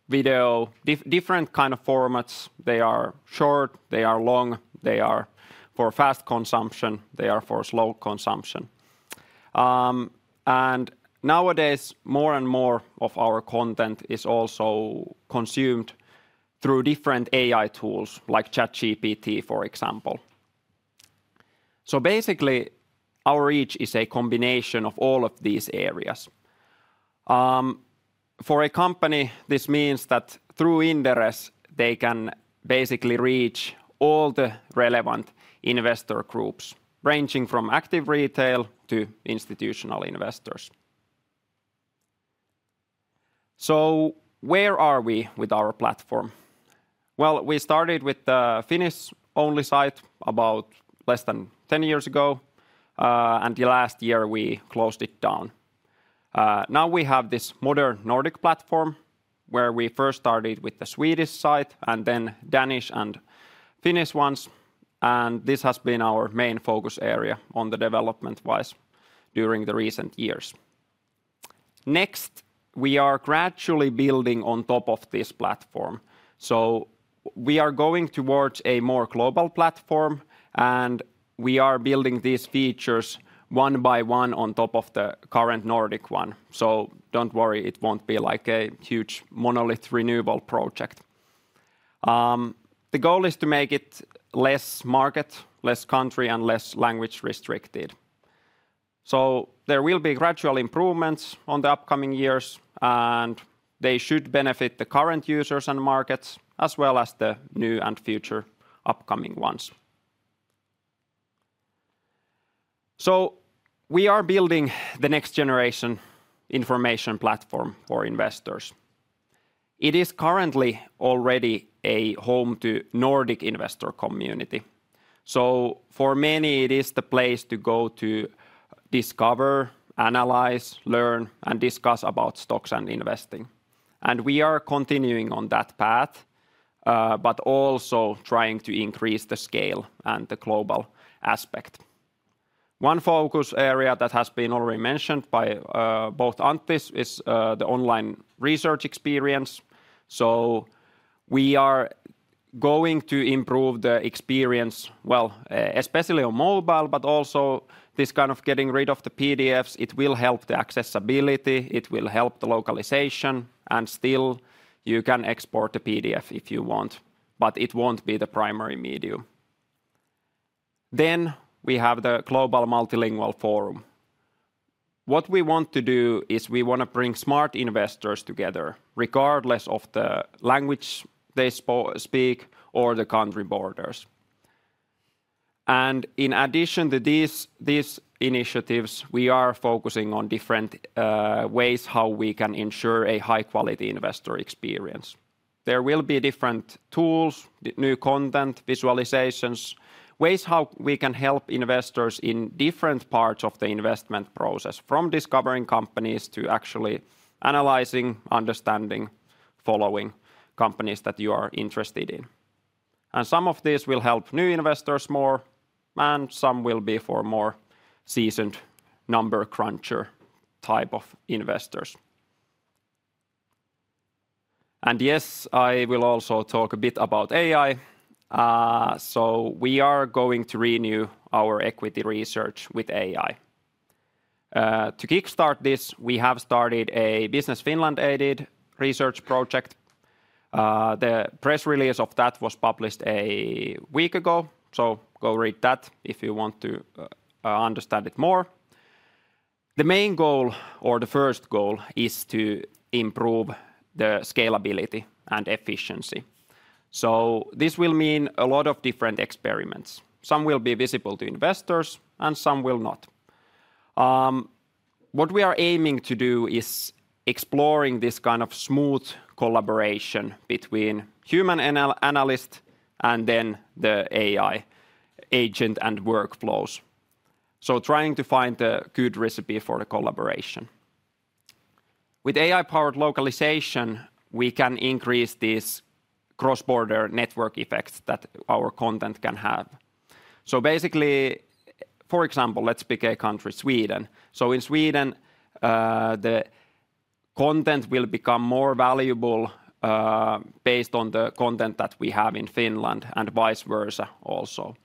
video, different kinds of formats. They are short, they are long, they are for fast consumption, they are for slow consumption. Nowadays, more and more of our content is also consumed through different AI tools, like ChatGPT, for example. Basically, our reach is a combination of all of these areas. For a company, this means that through Inderes, they can basically reach all the relevant investor groups, ranging from active retail to institutional investors. Where are we with our platform? We started with the Finnish-only site about less than 10 years ago, and last year we closed it down. Now we have this modern Nordic platform, where we first started with the Swedish site and then Danish and Finnish ones. This has been our main focus area on the development-wise during the recent years. Next, we are gradually building on top of this platform. We are going towards a more global platform, and we are building these features one by one on top of the current Nordic one. Don't worry, it won't be like a huge monolith renewal project. The goal is to make it less market, less country, and less language restricted. There will be gradual improvements in the upcoming years, and they should benefit the current users and markets, as well as the new and future upcoming ones. We are building the next-generation information platform for investors. It is currently already a home to the Nordic investor community. For many, it is the place to go to discover, analyze, learn, and discuss about stocks and investing. We are continuing on that path, but also trying to increase the scale and the global aspect. One focus area that has been already mentioned by both Antti is the online research experience. We are going to improve the experience, especially on mobile, but also this kind of getting rid of the PDFs. It will help the accessibility, it will help the localization, and still you can export the PDF if you want, but it won't be the primary medium. Then we have the global multilingual forum. What we want to do is we want to bring smart investors together, regardless of the language they speak or the country borders. In addition to these initiatives, we are focusing on different ways how we can ensure a high-quality investor experience. There will be different tools, new content, visualizations, ways how we can help investors in different parts of the investment process, from discovering companies to actually analyzing, understanding, following companies that you are interested in. Some of these will help new investors more, and some will be for more seasoned number cruncher type of investors. Yes, I will also talk a bit about AI. We are going to renew our equity research with AI. To kickstart this, we have started a Business Finland-aided research project. The press release of that was published a week ago, so go read that if you want to understand it more. The main goal, or the first goal, is to improve the scalability and efficiency. This will mean a lot of different experiments. Some will be visible to investors, and some will not. What we are aiming to do is exploring this kind of smooth collaboration between human analysts and the AI agent and workflows. We're trying to find a good recipe for the collaboration. With AI-powered localization, we can increase this cross-border network effect that our content can have. Basically, for example, let's pick a country, Sweden. In Sweden, the content will become more valuable based on the content that we have in Finland and vice versa also.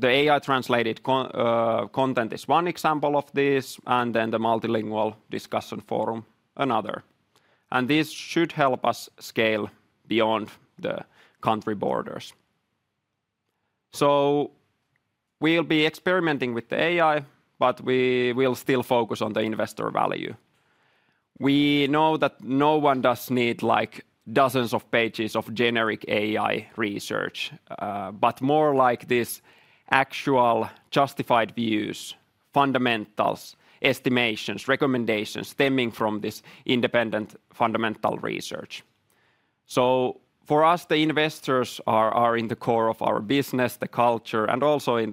The AI-translated content is one example of this, and the multilingual discussion forum, another. This should help us scale beyond the country borders. We'll be experimenting with the AI, but we will still focus on the investor value. We know that no one needs dozens of pages of generic AI research, but more like these actual justified views, fundamentals, estimations, recommendations stemming from this independent fundamental research. So for us, the investors are in the core of our business, the culture, and also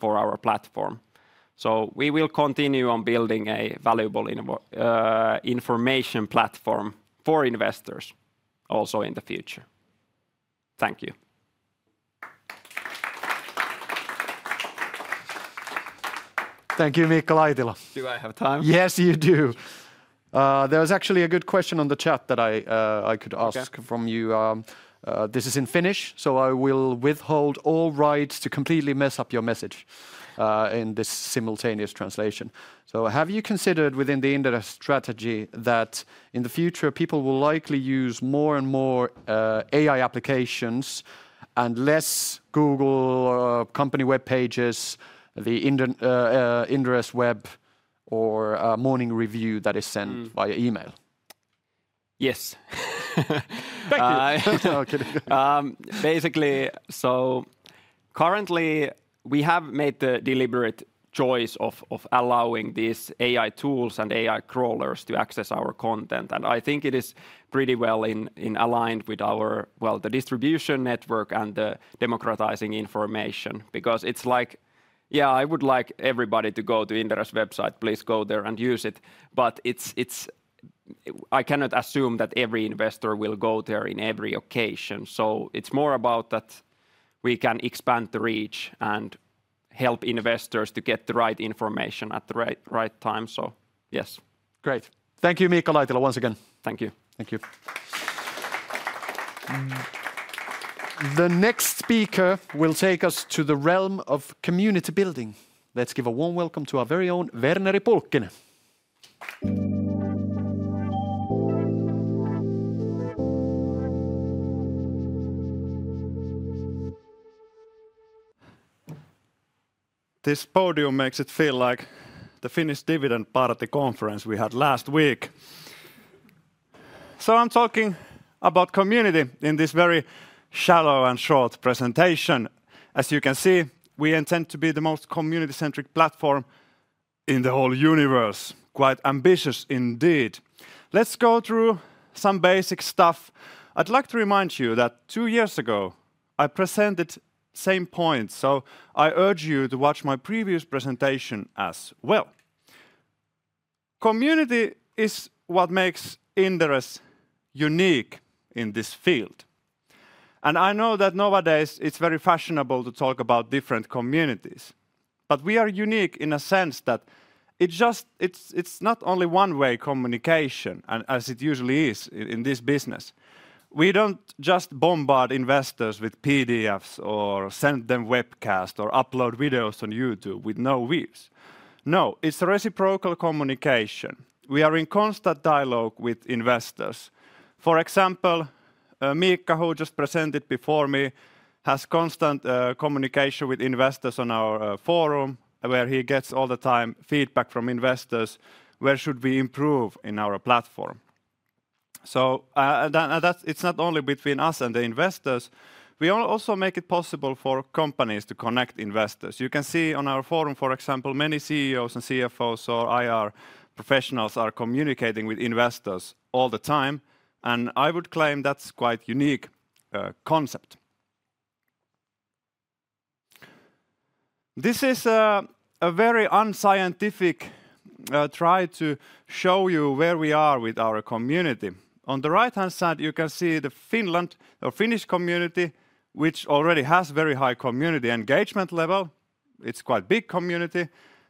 for our platform. So we will continue building a valuable information platform for investors also in the future. Thank you. Thank you, Miikka Laitila. Do I have time? Yes, you do. There was actually a good question on the chat that I could ask from you. This is in Finnish, so I will withhold all rights to completely mess up your message in this simultaneous translation. Have you considered within the Inderes strategy that in the future people will likely use more and more AI applications and less Google company web pages, the Inderes web, or Morning Review that is sent via email? Yes. Thank you. Basically, currently we have made the deliberate choice of allowing these AI tools and AI crawlers to access our content. I think it is pretty well aligned with our distribution network and the democratizing information, because it's like, yeah, I would like everybody to go to Inderes website, please go there and use it. But I cannot assume that every investor will go there on every occasion. It's more about that we can expand the reach and help investors to get the right information at the right time. Yes. Great. Thank you, Miikka Laitila, once again. Thank you. Thank you. The next speaker will take us to the realm of community building. Let's give a warm welcome to our very own Verneri Pulkkinen. This podium makes it feel like the Finnish Dividend Party conference we had last week. I'm talking about community in this very shallow and short presentation. As you can see, we intend to be the most community-centric platform in the whole universe. Quite ambitious indeed. Let's go through some basic stuff. I'd like to remind you that two years ago I presented the same points, so I urge you to watch my previous presentation as well. Community is what makes Inderes unique in this field. I know that nowadays it's very fashionable to talk about different communities, but we are unique in a sense that it's not only one-way communication, as it usually is in this business. We don't just bombard investors with PDFs or send them webcasts or upload videos on YouTube with no weaves. No, it's a reciprocal communication. We are in constant dialogue with investors. For example, Miikka, who just presented before me, has constant communication with investors on our forum, where he gets all the time feedback from investors, where should we improve in our platform. So it's not only between us and the investors. We also make it possible for companies to connect investors. You can see on our forum, for example, many CEOs and CFOs or IR professionals are communicating with investors all the time. I would claim that's quite a unique concept. This is a very unscientific try to show you where we are with our community. On the right-hand side, you can see the Finland or Finnish community, which already has a very high community engagement level. It's quite a big community,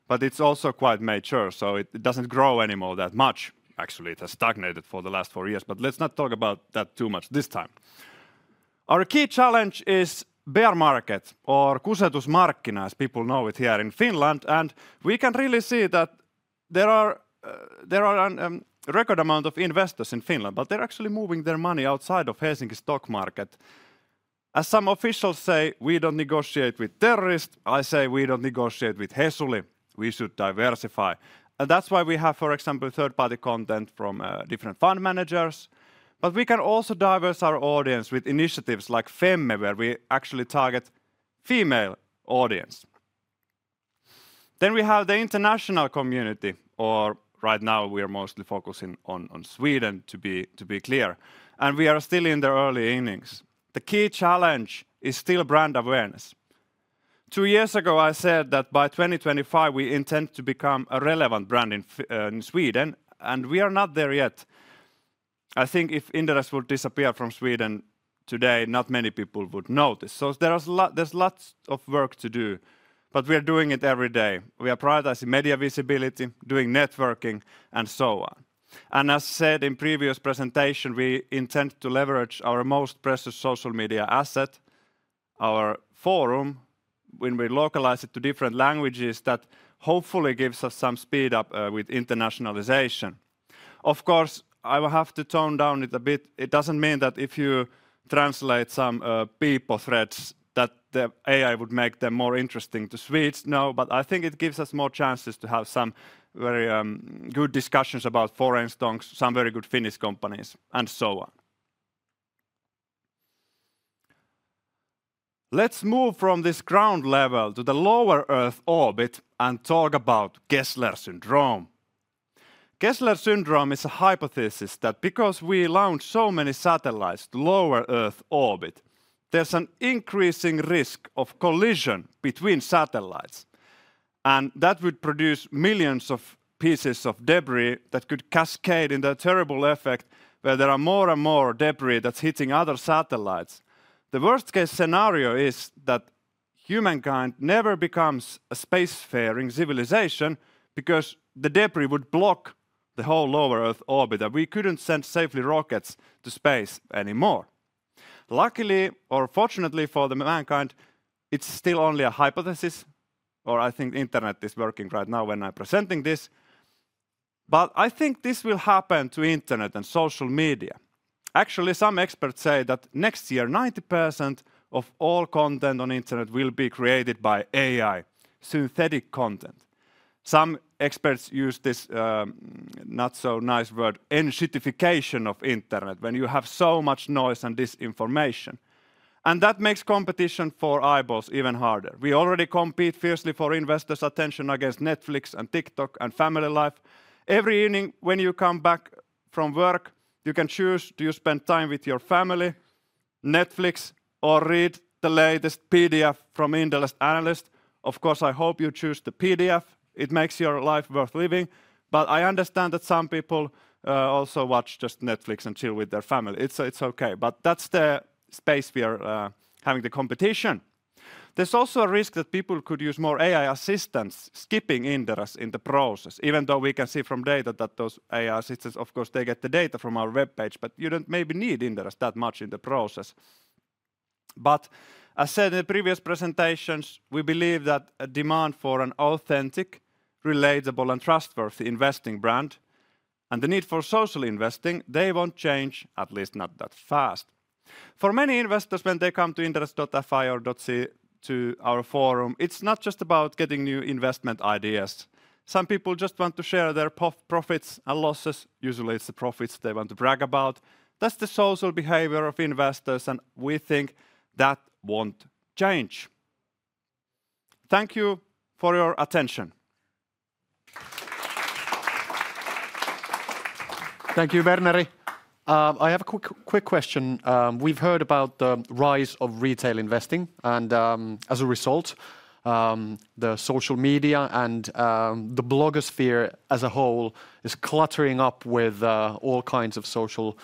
but it's also quite mature. It doesn't grow anymore that much. Actually, it has stagnated for the last four years, but let's not talk about that too much this time. Our key challenge is bear market or kusetusmarkkina, as people know it here in Finland. We can really see that there are a record amount of investors in Finland, but they're actually moving their money outside of Helsinki stock market. As some officials say, we don't negotiate with terrorists. I say we don't negotiate with Hesuli. We should diversify. That's why we have, for example, third-party content from different fund managers. We can also diverse our audience with initiatives like Feminvest, where we actually target female audience. We have the international community, or right now we are mostly focusing on Sweden, to be clear. We are still in the early innings. The key challenge is still brand awareness. Two years ago, I said that by 2025, we intend to become a relevant brand in Sweden, and we are not there yet. I think if Inderes would disappear from Sweden today, not many people would notice. So there's lots of work to do, but we are doing it every day. We are prioritizing media visibility, doing networking, and so on. As said in previous presentation, we intend to leverage our most precious social media asset, our forum, when we localize it to different languages, that hopefully gives us some speed up with internationalization. Of course, I will have to tone down it a bit. It doesn't mean that if you translate some people threads, that the AI would make them more interesting to Swedes. No, but I think it gives us more chances to have some very good discussions about foreign stocks, some very good Finnish companies, and so on. Let's move from this ground level to the lower Earth orbit and talk about Kessler syndrome. Kessler syndrome is a hypothesis that because we launch so many satellites to lower Earth orbit, there's an increasing risk of collision between satellites. That would produce millions of pieces of debris that could cascade in the terrible effect where there are more and more debris that's hitting other satellites. The worst-case scenario is that humankind never becomes a spacefaring civilization because the debris would block the whole lower Earth orbit, and we couldn't send safely rockets to space anymore. Luckily, or fortunately for mankind, it's still only a hypothesis, or I think the internet is working right now when I'm presenting this. I think this will happen to internet and social media. Actually, some experts say that next year, 90% of all content on internet will be created by AI, synthetic content. Some experts use this not-so-nice word, "enshittification" of internet, when you have so much noise and disinformation. That makes competition for eyeballs even harder. We already compete fiercely for investors' attention against Netflix and TikTok and family life. Every evening when you come back from work, you can choose to spend time with your family, Netflix, or read the latest PDF from Inderes analyst. Of course, I hope you choose the PDF. It makes your life worth living. I understand that some people also watch just Netflix and chill with their family. It's okay. That's the space we are having the competition. There's also a risk that people could use more AI assistants, skipping Inderes in the process, even though we can see from data that those AI assistants, of course, they get the data from our web page, but you don't maybe need Inderes that much in the process. But as said in the previous presentations, we believe that demand for an authentic, relatable, and trustworthy investing brand and the need for social investing, they won't change, at least not that fast. For many investors, when they come to Inderes.fi or to our forum, it's not just about getting new investment ideas. Some people just want to share their profits and losses. Usually, it's the profits they want to brag about. That's the social behavior of investors, and we think that won't change. Thank you for your attention. Thank you, Verneri. I have a quick question. We've heard about the rise of retail investing, and as a result, the social media and the blogosphere as a whole is cluttering up with all kinds of social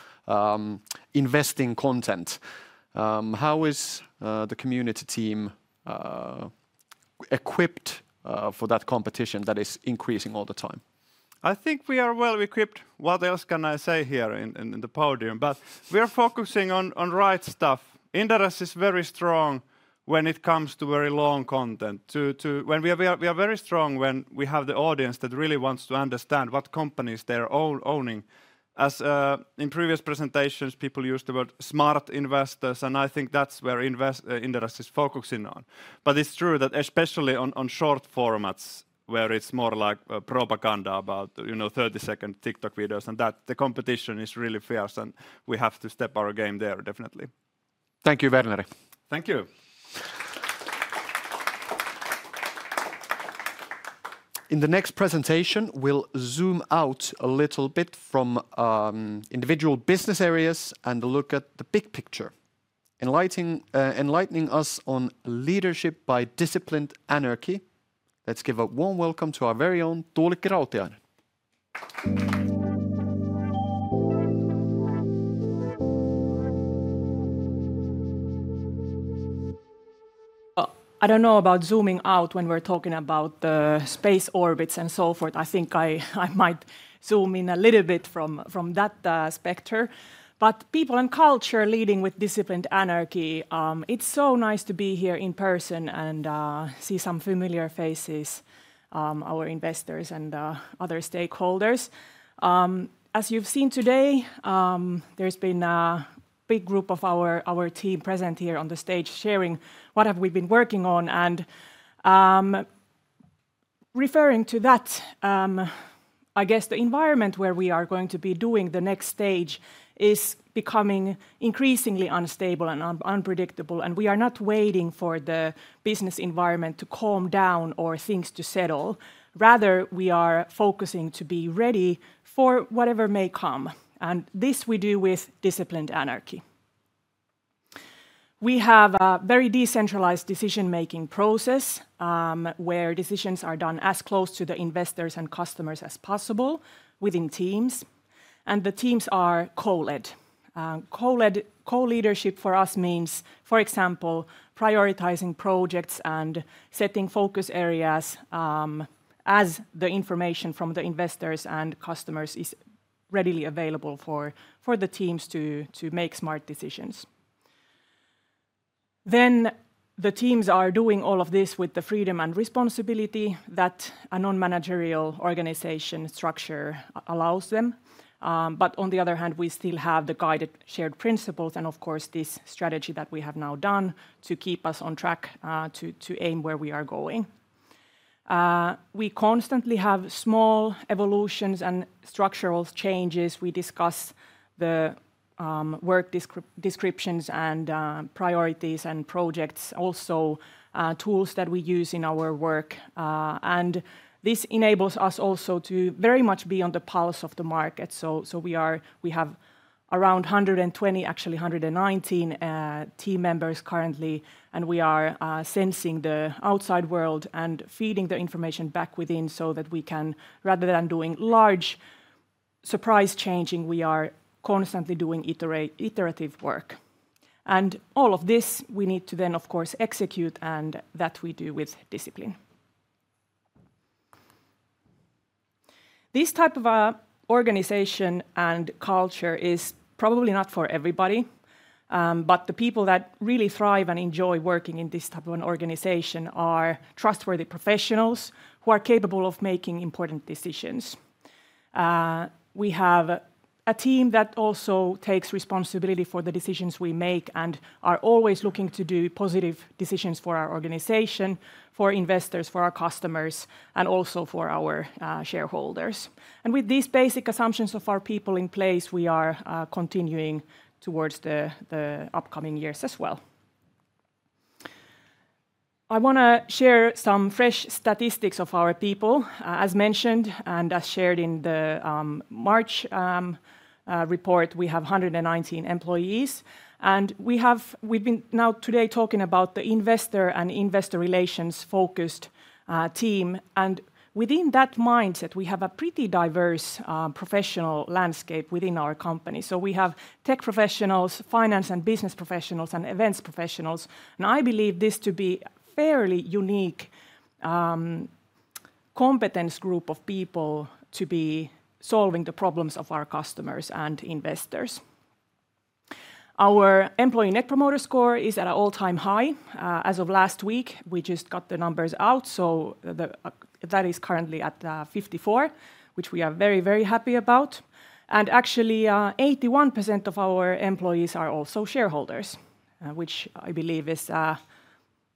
investing content. How is the community team equipped for that competition that is increasing all the time? I think we are well equipped. What else can I say here in the podium? But we are focusing on right stuff. Inderes is very strong when it comes to very long content. We are very strong when we have the audience that really wants to understand what companies they are owning. As in previous presentations, people used the word smart investors, and I think that's where Inderes is focusing on. But it's true that especially on short formats, where it's more like propaganda about 30-second TikTok videos, and that the competition is really fierce, and we have to step our game there, definitely. Thank you, Verneri. Thank you. In the next presentation, we'll zoom out a little bit from individual business areas and look at the big picture, enlightening us on leadership by disciplined anarchy. Let's give a warm welcome to our very own Tuulikki Rautiainen. I don't know about zooming out when we're talking about the space orbits and so forth. I think I might zoom in a little bit from that spectrum. But people and culture leading with disciplined anarchy, it's so nice to be here in person and see some familiar faces, our investors and other stakeholders. As you've seen today, there's been a big group of our team present here on the stage sharing what we have been working on. Referring to that, I guess the environment where we are going to be doing the next stage is becoming increasingly unstable and unpredictable. We are not waiting for the business environment to calm down or things to settle. Rather, we are focusing to be ready for whatever may come. We do this with disciplined anarchy. We have a very decentralized decision-making process where decisions are done as close to the investors and customers as possible within teams. The teams are co-led. Co-leadership for us means, for example, prioritizing projects and setting focus areas as the information from the investors and customers is readily available for the teams to make smart decisions. Then the teams are doing all of this with the freedom and responsibility that a non-managerial organization structure allows them. On the other hand, we still have the guided shared principles and, of course, this strategy that we have now done to keep us on track to aim where we are going. We constantly have small evolutions and structural changes. We discuss the work descriptions and priorities and projects, also tools that we use in our work. This enables us also to very much be on the pulse of the market. So we have around 120, actually 119 team members currently, and we are sensing the outside world and feeding the information back within so that we can, rather than doing large surprise changing, we are constantly doing iterative work. All of this we need to then, of course, execute, and that we do with discipline. This type of organization and culture is probably not for everybody. But the people that really thrive and enjoy working in this type of an organization are trustworthy professionals who are capable of making important decisions. We have a team that also takes responsibility for the decisions we make and are always looking to do positive decisions for our organization, for investors, for our customers, and also for our shareholders. With these basic assumptions of our people in place, we are continuing towards the upcoming years as well. I want to share some fresh statistics of our people. As mentioned and as shared in the March report, we have 119 employees. We've been now today talking about the investor and investor relations focused team. Within that mindset, we have a pretty diverse professional landscape within our company. We have tech professionals, finance and business professionals, and events professionals. I believe this to be a fairly unique competence group of people to be solving the problems of our customers and investors. Our employee net promoter score is at an all-time high. As of last week, we just got the numbers out. That is currently at 54, which we are very happy about. Actually, 81% of our employees are also shareholders, which I believe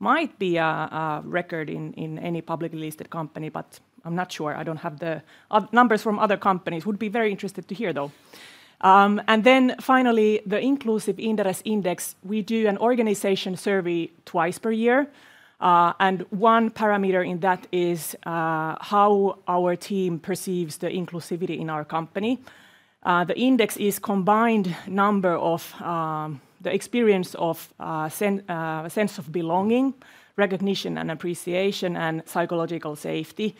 might be a record in any publicly listed company, but I'm not sure. I don't have the numbers from other companies. Would be very interested to hear, though. Finally, the inclusive interest index, we do an organization survey twice per year. One parameter in that is how our team perceives the inclusivity in our company. The index is combined number of the experience of sense of belonging, recognition and appreciation, and psychological safety.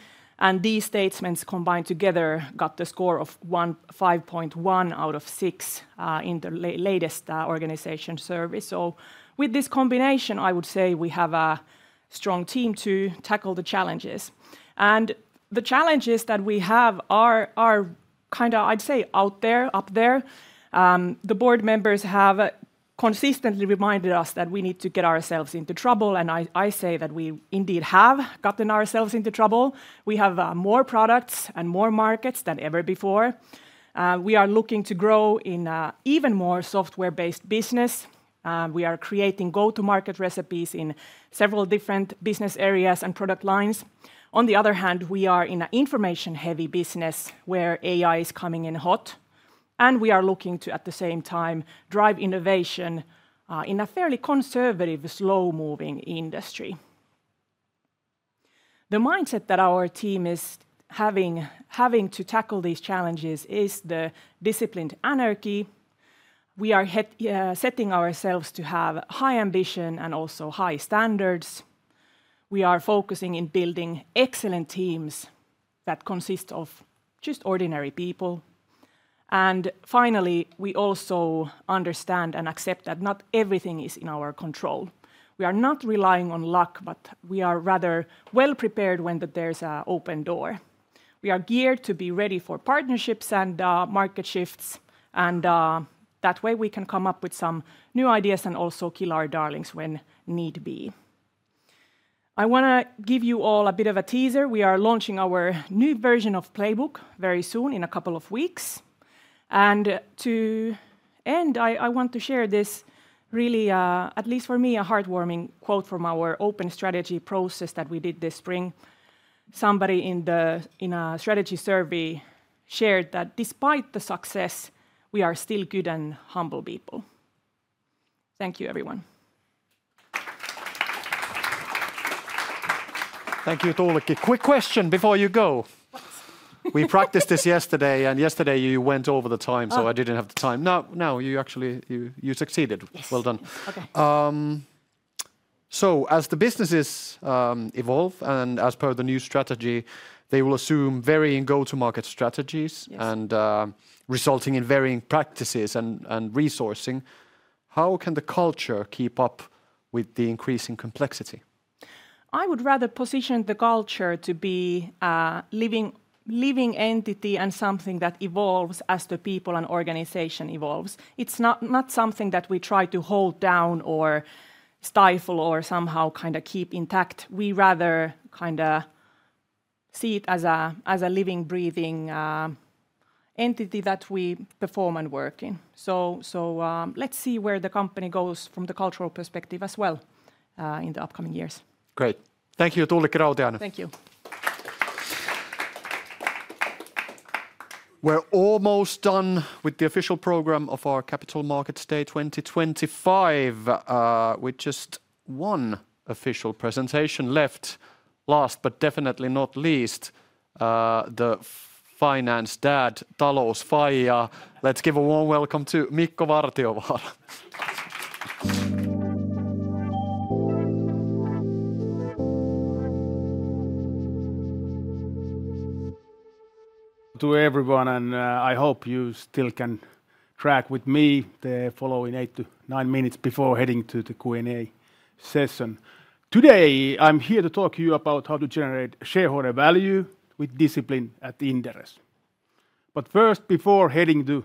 These statements combined together got the score of 5.1 out of six in the latest organization survey. With this combination, I would say we have a strong team to tackle the challenges. The challenges that we have are kind of, I'd say, out there, up there. The board members have consistently reminded us that we need to get ourselves into trouble. I say that we indeed have gotten ourselves into trouble. We have more products and more markets than ever before. We are looking to grow in an even more software-based business. We are creating go-to-market recipes in several different business areas and product lines. On the other hand, we are in an information-heavy business where AI is coming in hot. We are looking to, at the same time, drive innovation in a fairly conservative, slow-moving industry. The mindset that our team is having to tackle these challenges is the disciplined anarchy. We are setting ourselves to have high ambition and also high standards. We are focusing on building excellent teams that consist of just ordinary people. Finally, we also understand and accept that not everything is in our control. We are not relying on luck, but we are rather well prepared when there's an open door. We are geared to be ready for partnerships and market shifts. That way, we can come up with some new ideas and also kill our darlings when need be. I want to give you all a bit of a teaser. We are launching our new version of Playbook very soon in a couple of weeks. To end, I want to share this really, at least for me, a heartwarming quote from our open strategy process that we did this spring. Somebody in a strategy survey shared that despite the success, we are still good and humble people. Thank you, everyone. Thank you, Tuulikki. Quick question before you go. We practiced this yesterday, and yesterday you went over the time, so I didn't have the time. No, no, you actually succeeded. Well done. As the businesses evolve and as per the new strategy, they will assume varying go-to-market strategies and resulting in varying practices and resourcing. How can the culture keep up with the increasing complexity? I would rather position the culture to be a living entity and something that evolves as the people and organization evolves. It's not something that we try to hold down or stifle or somehow kind of keep intact. We rather kind of see it as a living, breathing entity that we perform and work in. Let's see where the company goes from the cultural perspective as well in the upcoming years. Great. Thank you, Tuulikki Rautiainen. Thank you. We're almost done with the official program of our Capital Markets Day 2025. We just have one official presentation left. Last, but definitely not least, the Finance Dad, Talousfaija. Let's give a warm welcome to Mikko Vartiovaara. To everyone, and I hope you still can track with me the following eight to nine minutes before heading to the Q&A session. Today, I'm here to talk to you about how to generate shareholder value with discipline at Inderes. But first, before heading to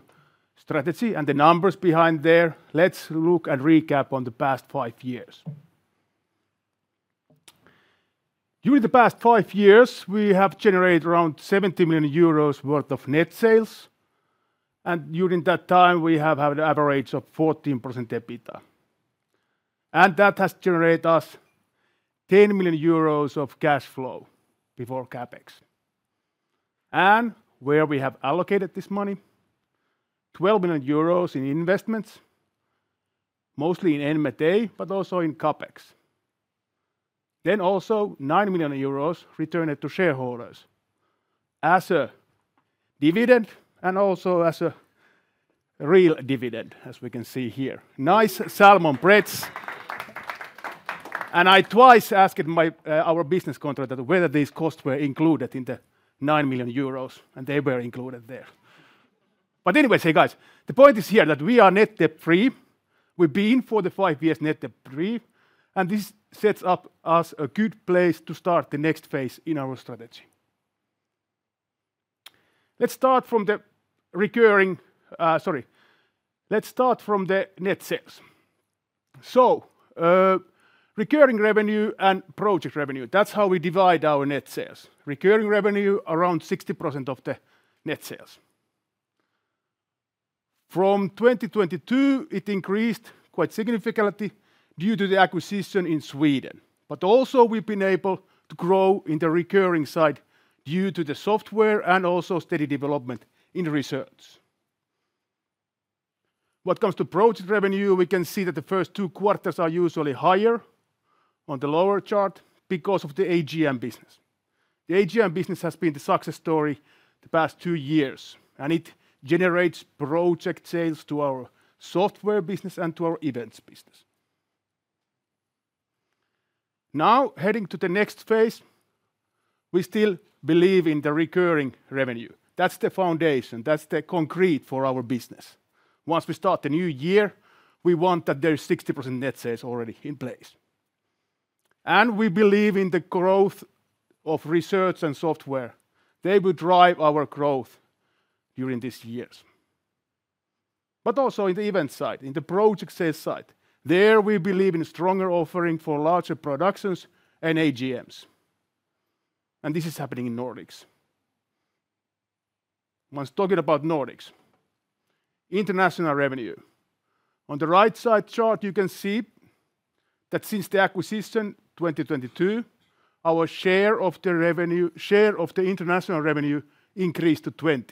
strategy and the numbers behind there, let's look and recap on the past five years. During the past five years, we have generated around 70 million euros worth of net sales. During that time, we have had an average of 14% EBITDA. That has generated us 10 million euros of cash flow before CapEx. Where we have allocated this money, 12 million euros in investments, mostly in M&A, but also in CapEx. Also 9 million euros returned to shareholders as a dividend and also as a real dividend, as we can see here. Nice salmon breads. I twice asked our business contractor whether these costs were included in the 9 million euros, and they were included there. Anyway, hey guys, the point is here that we are net debt free. We've been for the five years net debt free. This sets up as a good place to start the next phase in our strategy. Let's start from the recurring, sorry, let's start from the net sales. Recurring revenue and project revenue, that's how we divide our net sales. Recurring revenue, around 60% of the net sales. From 2022, it increased quite significantly due to the acquisition in Sweden. But also, we've been able to grow in the recurring side due to the software and also steady development in research. What comes to project revenue, we can see that the first two quarters are usually higher on the lower chart because of the AGM business. The AGM business has been the success story the past two years, and it generates project sales to our software business and to our events business. Now, heading to the next phase, we still believe in the recurring revenue. That's the foundation. That's the concrete for our business. Once we start the new year, we want that there's 60% net sales already in place. We believe in the growth of research and software. They will drive our growth during these years. But also in the event side, in the project sales side, there we believe in a stronger offering for larger productions and AGMs. This is happening in Nordics. Once talking about Nordics, international revenue. On the right side chart, you can see that since the acquisition 2022, our share of the international revenue increased to 20%.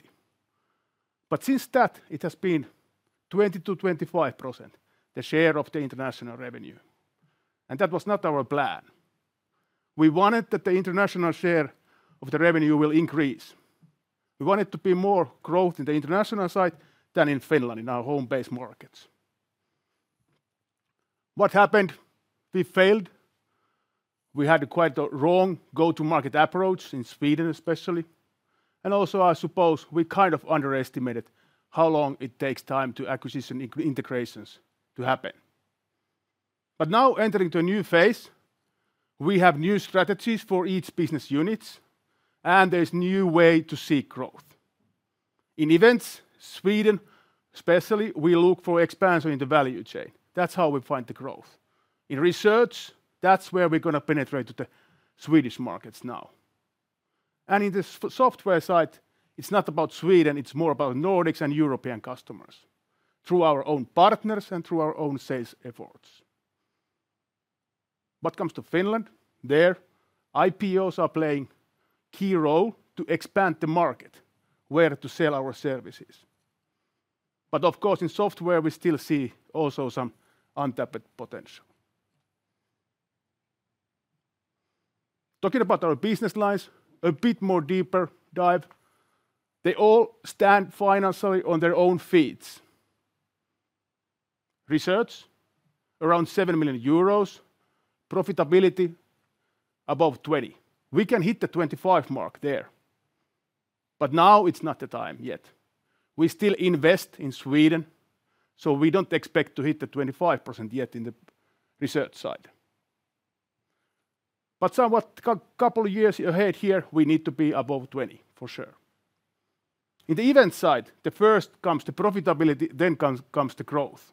Since that, it has been 20%-25%, the share of the international revenue. That was not our plan. We wanted that the international share of the revenue will increase. We wanted to be more growth in the international side than in Finland, in our home-based markets. What happened? We failed. We had quite a wrong go-to-market approach in Sweden, especially. Also, I suppose we kind of underestimated how long it takes time to acquisition integrations to happen. But now, entering to a new phase, we have new strategies for each business unit, and there's a new way to seek growth. In events, Sweden especially, we look for expansion in the value chain. That's how we find the growth. In research, that's where we're going to penetrate to the Swedish markets now. In the software side, it's not about Sweden. It's more about Nordics and European customers through our own partners and through our own sales efforts. What comes to Finland? There, IPOs are playing a key role to expand the market where to sell our services. Of course, in software, we still see also some untapped potential. Talking about our business lines, a bit more deeper dive. They all stand financially on their own feet. Research, around 7 million euros. Profitability, above 20%. We can hit the 25% mark there. But now it's not the time yet. We still invest in Sweden, so we don't expect to hit the 25% yet in the research side. But somewhat a couple of years ahead here, we need to be above 20% for sure. In the event side, the first comes to profitability, then comes the growth.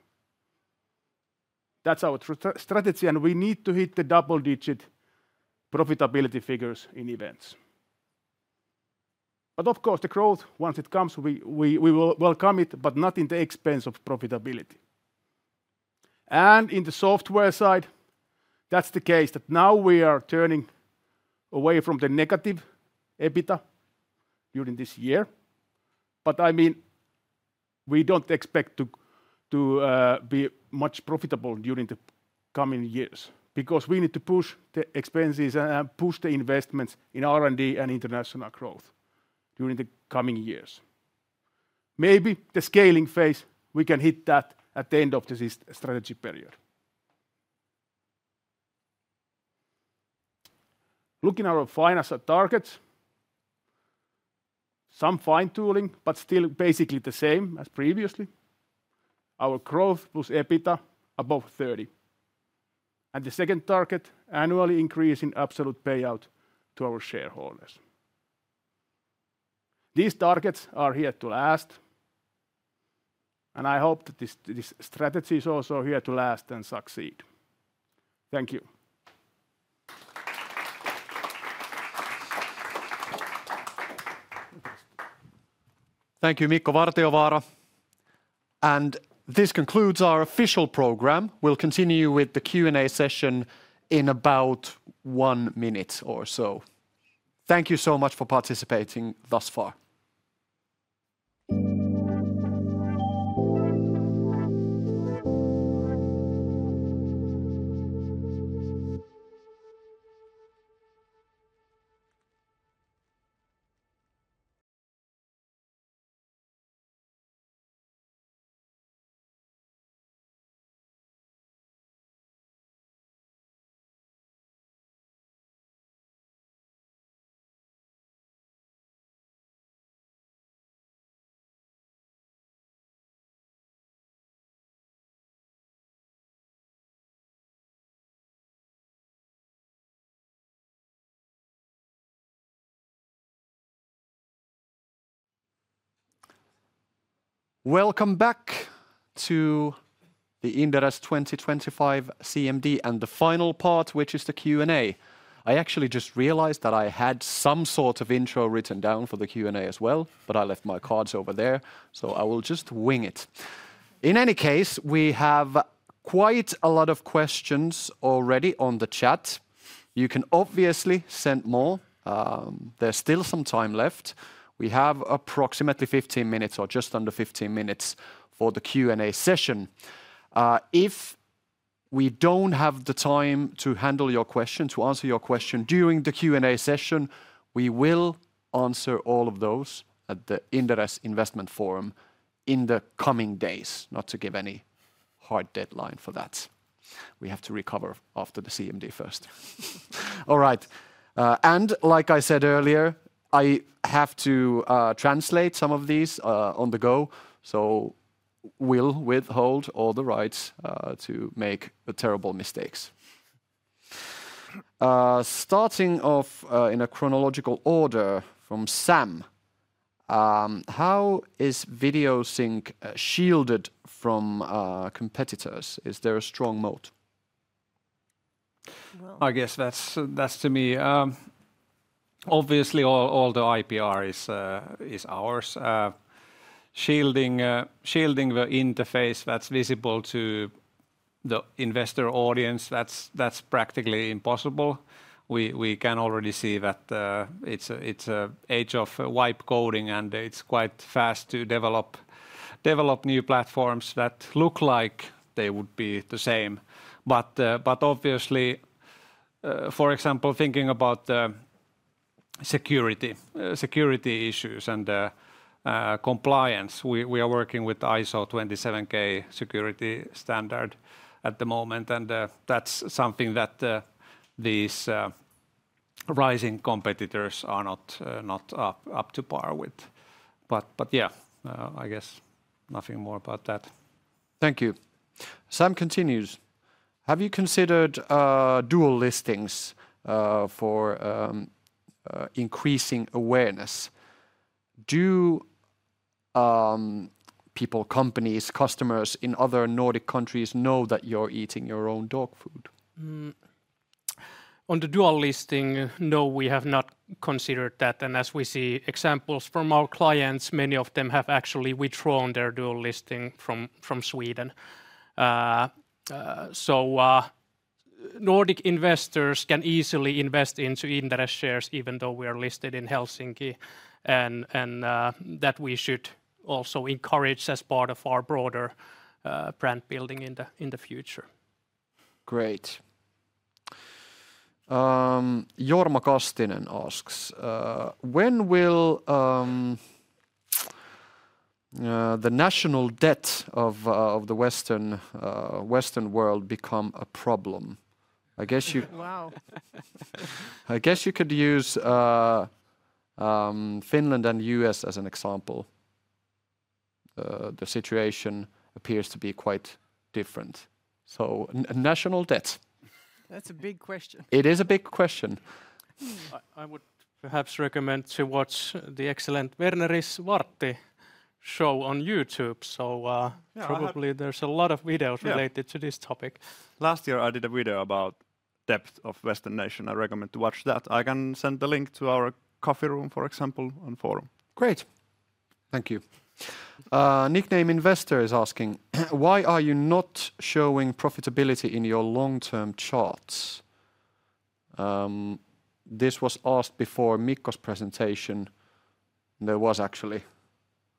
That's our strategy, and we need to hit the double-digit profitability figures in events. But of course, the growth, once it comes, we will welcome it, but not at the expense of profitability. In the software side, that's the case that now we are turning away from the negative EBITDA during this year. But we don't expect to be much profitable during the coming years because we need to push the expenses and push the investments in R&D and international growth during the coming years. Maybe the scaling phase, we can hit that at the end of this strategy period. Looking at our finance targets, some fine-tuning, but still basically the same as previously. Our growth plus EBITDA above 30%. The second target, annually increasing absolute payout to our shareholders. These targets are here to last. I hope that this strategy is also here to last and succeed. Thank you. Thank you, Mikko Vartiovaara. This concludes our official program. We'll continue with the Q&A session in about one minute or so. Thank you so much for participating thus far. Welcome back to the Inderes 2025 CMD and the final part, which is the Q&A. I actually just realized that I had some sort of intro written down for the Q&A as well, but I left my cards over there, so I will just wing it. In any case, we have quite a lot of questions already on the chat. You can obviously send more. There's still some time left. We have approximately 15 minutes or just under 15 minutes for the Q&A session. If we don't have the time to handle your question, to answer your question during the Q&A session, we will answer all of those at the Inderes Investment Forum in the coming days, not to give any hard deadline for that. We have to recover after the CMD first. All right. Like I said earlier, I have to translate some of these on the go. So we'll withhold all the rights to make terrible mistakes. Starting off in a chronological order from Sam, how is Videosync shielded from competitors? Is there a strong moat? I guess that's to me. Obviously, all the IPR is ours. Shielding the interface that's visible to the investor audience, that's practically impossible. We can already see that it's an age of white coding, and it's quite fast to develop new platforms that look like they would be the same. But obviously, for example, thinking about the security issues and compliance, we are working with ISO 27001 security standard at the moment. That's something that these rising competitors are not up to par with. Nothing more about that. Thank you. Sam continues. Have you considered dual listings for increasing awareness? Do people, companies, customers in other Nordic countries know that you're eating your own dog food? On the dual listing, no, we have not considered that. As we see examples from our clients, many of them have actually withdrawn their dual listing from Sweden. Nordic investors can easily invest into Inderes shares, even though we are listed in Helsinki. We should also encourage that as part of our broader brand building in the future. Great. Jorma Kastinen asks, when will the national debt of the Western world become a problem? I guess you could use Finland and the US as an example. The situation appears to be quite different. National debt. That's a big question. It is a big question. I would perhaps recommend to watch the excellent Verneri's Vartti show on YouTube. Probably there's a lot of videos related to this topic. Last year, I did a video about debt of Western nations. I recommend to watch that. I can send the link to our coffee room, for example, on forum. Great. Thank you. Nickname Investor is asking, why are you not showing profitability in your long-term charts? This was asked before Mikko's presentation. There was actually.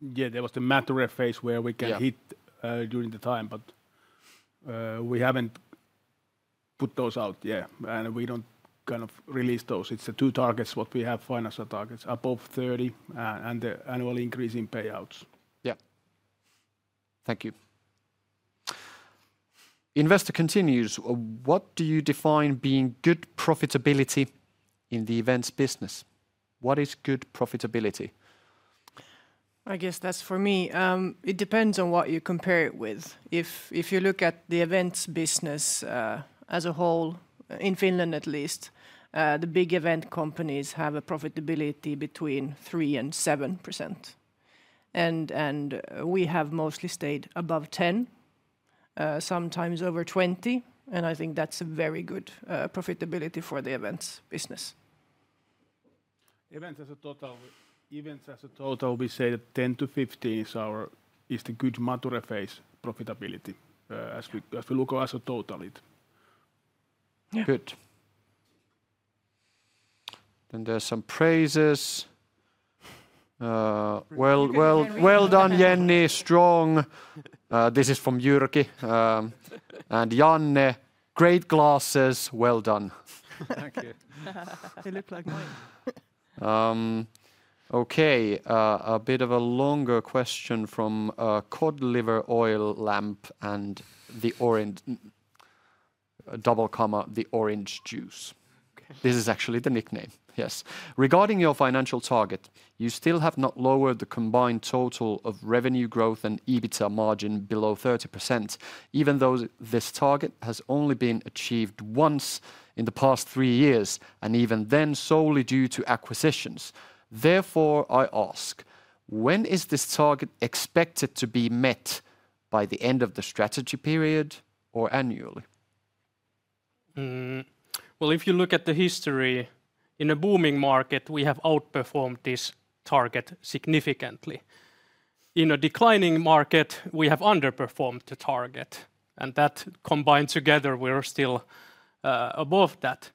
Yeah, there was the matter phase where we can hit during the time, but we haven't put those out yet. We don't kind of release those. It's the two targets what we have, financial targets, above 30% and the annual increase in payouts. Yeah. Thank you. Investor continues. What do you define being good profitability in the events business? What is good profitability? I guess that's for me. It depends on what you compare it with. If you look at the events business as a whole, in Finland at least, the big event companies have a profitability between 3% and 7%. We have mostly stayed above 10%, sometimes over 20%. I think that's a very good profitability for the events business. Events as a total, events as a total, we say that 10%-15% is the good matter phase profitability as we look at as a total it. Good. Then there's some praises. Well done, Jenny. Strong. This is from Jyrki. And Janne, great glasses. Well done. Thank you. They look like mine. Okay. A bit of a longer question from Cod Liver Oil Lamp and the Orange Double Comma, the Orange Juice. This is actually the nickname. Yes. Regarding your financial target, you still have not lowered the combined total of revenue growth and EBITDA margin below 30%, even though this target has only been achieved once in the past three years, and even then solely due to acquisitions. Therefore, I ask, when is this target expected to be met by the end of the strategy period or annually? Well, if you look at the history, in a booming market, we have outperformed this target significantly. In a declining market, we have underperformed the target. And that combined together, we're still above that.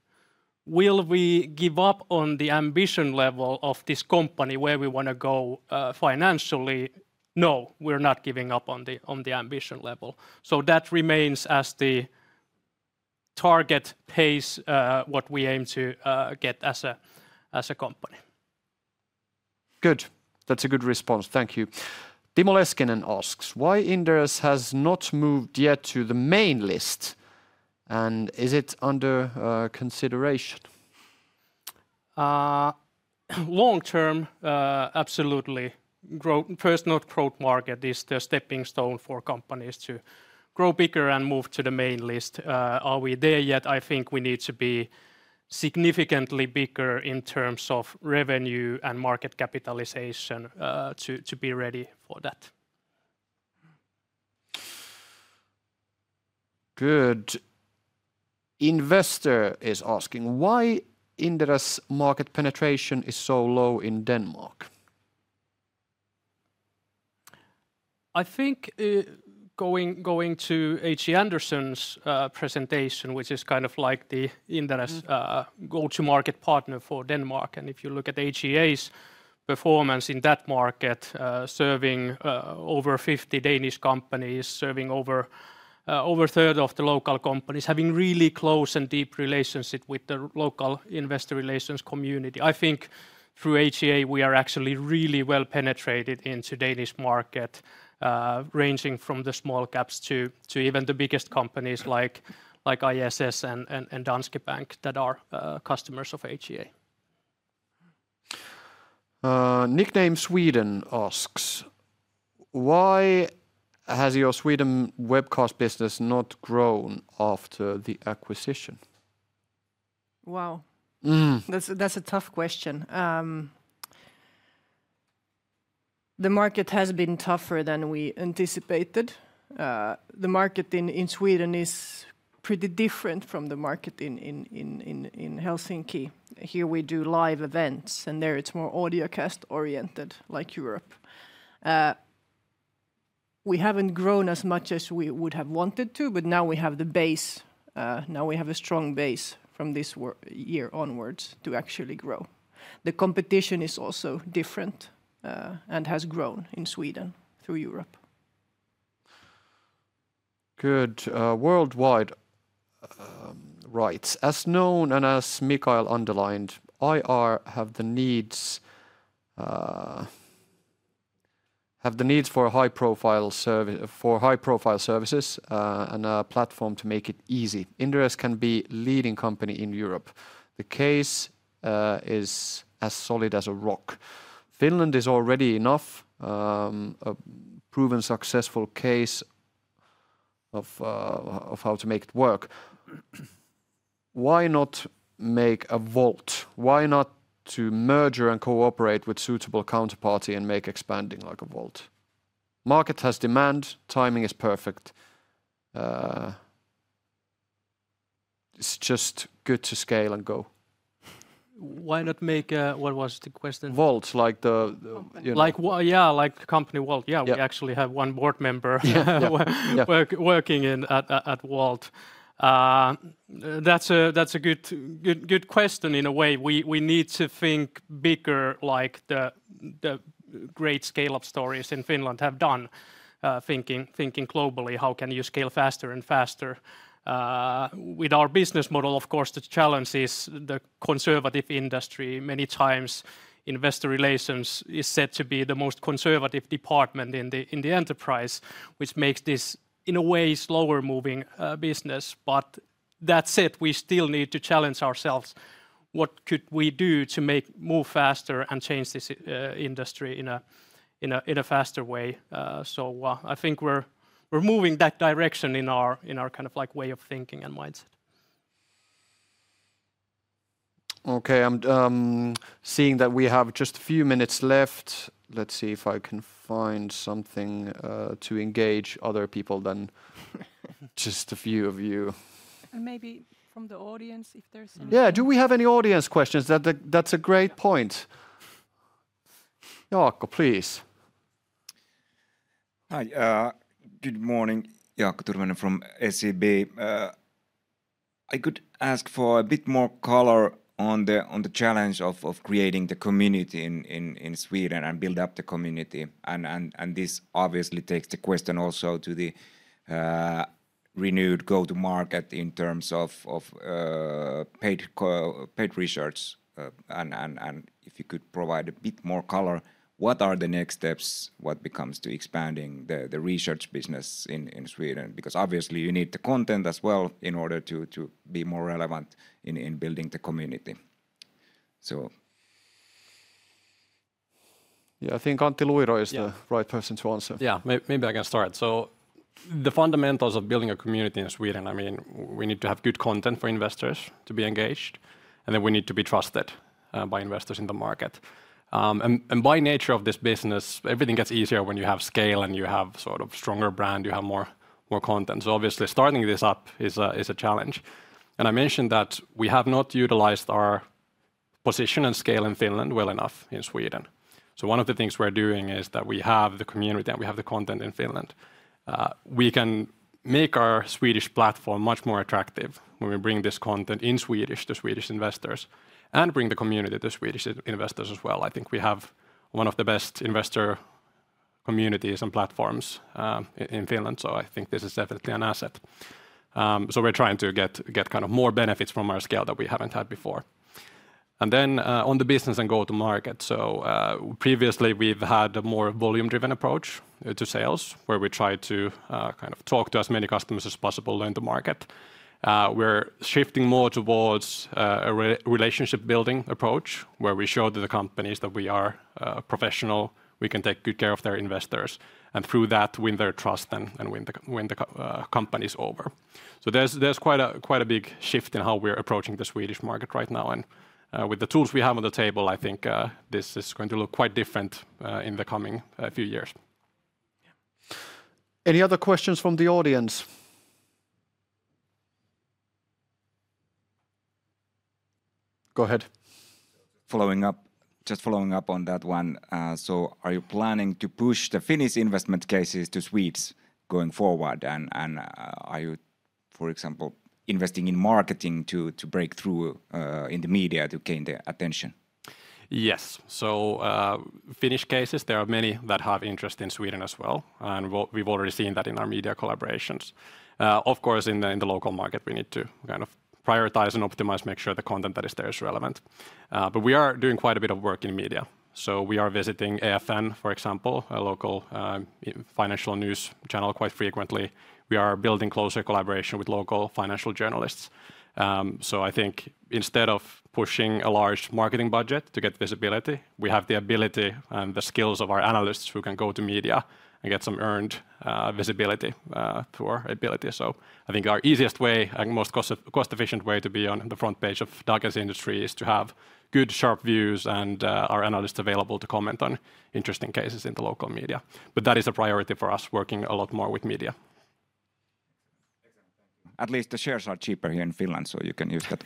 Will we give up on the ambition level of this company where we want to go financially? No, we're not giving up on the ambition level. So that remains as the target pace what we aim to get as a company. Good. That's a good response. Thank you. Timo Leskinen asks, why Inderes has not moved yet to the main list? And is it under consideration? Long term, absolutely. First, not growth market is the stepping stone for companies to grow bigger and move to the main list. Are we there yet? I think we need to be significantly bigger in terms of revenue and market capitalization to be ready for that. Good. Investor is asking, why Inderes market penetration is so low in Denmark? I think going to HC Andersen's presentation, which is kind of like the Inderes go-to-market partner for Denmark. If you look at HCA's performance in that market, serving over 50 Danish companies, serving over a third of the local companies, having really close and deep relationships with the local investor relations community. I think through HCA, we are actually really well penetrated into Danish market, ranging from the small caps to even the biggest companies like ISS and Danske Bank that are customers of HCA. Nickname Sweden asks, why has your Sweden webcast business not grown after the acquisition? That's a tough question. The market has been tougher than we anticipated. The market in Sweden is pretty different from the market in Helsinki. Here we do live events, and there it's more audio cast oriented like Europe. We haven't grown as much as we would have wanted to, but now we have the base. Now we have a strong base from this year onwards to actually grow. The competition is also different and has grown in Sweden through Europe. Good. Worldwide rights. As known and as Mikael underlined, IR have the needs for high-profile services and a platform to make it easy. Inderes can be a leading company in Europe. The case is as solid as a rock. Finland is already enough, a proven successful case of how to make it work. Why not make a Wolt? Why not merge and cooperate with a suitable counterparty and make expanding like a Wolt? Market has demand, timing is perfect. It's just good to scale and go. Why not make a, what was the question? Wolt, like the. Yeah, like company Wolt. Yeah, we actually have one board member working at Wolt. That's a good question in a way. We need to think bigger, like the great scale-up stories in Finland have done, thinking globally, how can you scale faster and faster. With our business model, of course, the challenge is the conservative industry. Many times, investor relations is said to be the most conservative department in the enterprise, which makes this in a way slower-moving business. But that said, we still need to challenge ourselves. What could we do to move faster and change this industry in a faster way? I think we're moving that direction in our kind of way of thinking and mindset. Okay, I'm seeing that we have just a few minutes left. Let's see if I can find something to engage other people than just a few of you. Maybe from the audience, if there's any. Do we have any audience questions? That's a great point. Jaakko, please. Hi, good morning. Jaakko Tyrväinen from SEB. I could ask for a bit more color on the challenge of creating the community in Sweden and build up the community. This obviously takes the question also to the renewed go-to-market in terms of paid research. If you could provide a bit more color, what are the next steps? What becomes to expanding the research business in Sweden? Obviously you need the content as well in order to be more relevant in building the community. I think Antti Luiro is the right person to answer. Maybe I can start. The fundamentals of building a community in Sweden, I mean, we need to have good content for investors to be engaged. Then we need to be trusted by investors in the market. By nature of this business, everything gets easier when you have scale and you have sort of stronger brand, you have more content. Obviously starting this up is a challenge. I mentioned that we have not utilized our position and scale in Finland well enough in Sweden. One of the things we're doing is that we have the community and we have the content in Finland. We can make our Swedish platform much more attractive when we bring this content in Swedish to Swedish investors and bring the community to Swedish investors as well. I think we have one of the best investor communities and platforms in Finland. I think this is definitely an asset. We're trying to get more benefits from our scale that we haven't had before. On the business and go-to-market, previously we've had a more volume-driven approach to sales where we try to talk to as many customers as possible, learn the market. We're shifting more towards a relationship-building approach where we show to the companies that we are professional, we can take good care of their investors. Through that, win their trust and win the companies over. There's quite a big shift in how we're approaching the Swedish market right now. With the tools we have on the table, I think this is going to look quite different in the coming few years. Any other questions from the audience? Go ahead. Following up on that one. Are you planning to push the Finnish investment cases to Swedes going forward? And are you, for example, investing in marketing to break through in the media to gain their attention? Yes. Finnish cases, there are many that have interest in Sweden as well. And we've already seen that in our media collaborations. Of course, in the local market, we need to kind of prioritize and optimize, make sure the content that is there is relevant. But we are doing quite a bit of work in media. We are visiting EFN, for example, a local financial news channel quite frequently. We are building closer collaboration with local financial journalists. I think instead of pushing a large marketing budget to get visibility, we have the ability and the skills of our analysts who can go to media and get some earned visibility through our ability. I think our easiest way, most cost-efficient way to be on the front page of Dagens Industri is to have good, sharp views and our analysts available to comment on interesting cases in the local media. That is a priority for us, working a lot more with media. At least the shares are cheaper here in Finland, you can use that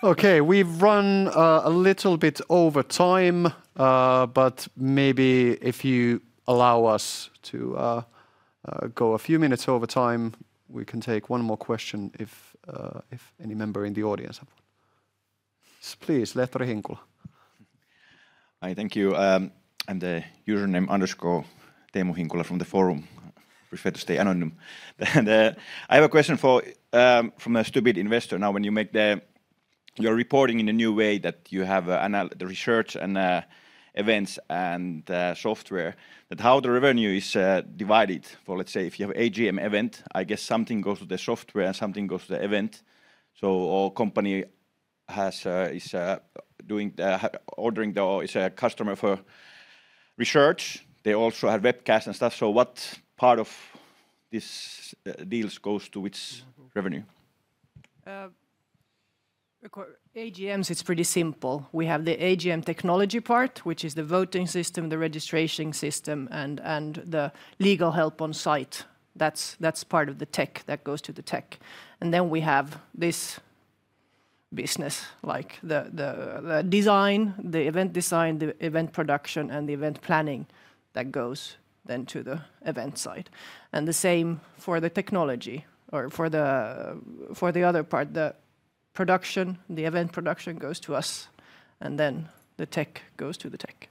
one. We've run a little bit over time, but maybe if you allow us to go a few minutes over time, we can take one more question if any member in the audience has. Please, Teemu Hinkula. Hi, thank you. I'm the username_teemuhinkula from the forum. Prefer to stay anonymous. I have a question from a stupid investor. Now, when you make the reporting in a new way that you have the research and events and software, how is the revenue divided? For let's say if you have an AGM event, I guess something goes to the software and something goes to the event. So all company is ordering the customer for research. They also have webcasts and stuff. So what part of these deals goes to its revenue? AGMs, it's pretty simple. We have the AGM technology part, which is the voting system, the registration system, and the legal help on site. That's part of the tech that goes to the tech. And then we have this business, like the design, the event design, the event production, and the event planning that goes then to the event side. And the same for the technology or for the other part, the production, the event production goes to us, and then the tech goes to the tech.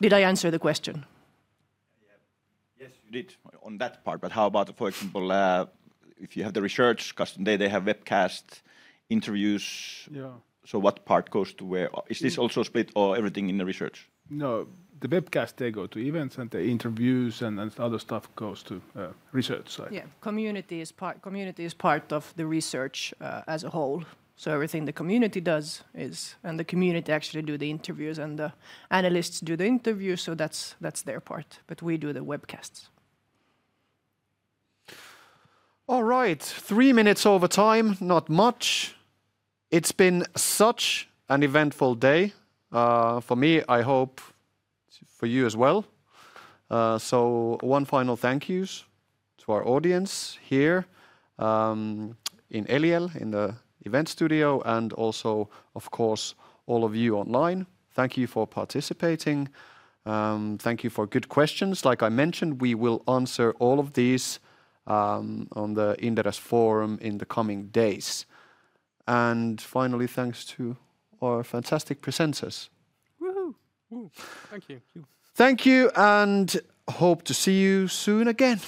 Did I answer the question? Yes, you did on that part. But how about, for example, if you have the research, custom day, they have webcasts, interviews? So what part goes to where? Is this also split or everything in the research? No, the webcast, they go to events and the interviews and other stuff goes to research. Yeah, community is part of the research as a whole. So everything the community does is, and the community actually do the interviews and the analysts do the interviews. So that's their part. But we do the webcasts. All right, three minutes over time, not much. It's been such an eventful day for me. I hope for you as well. One final thank you to our audience here in Eliel, in the event studio, and also, of course, all of you online. Thank you for participating. Thank you for good questions. Like I mentioned, we will answer all of these on the Inderes forum in the coming days. Finally, thanks to our fantastic presenters. Thank you. Thank you and hope to see you soon again.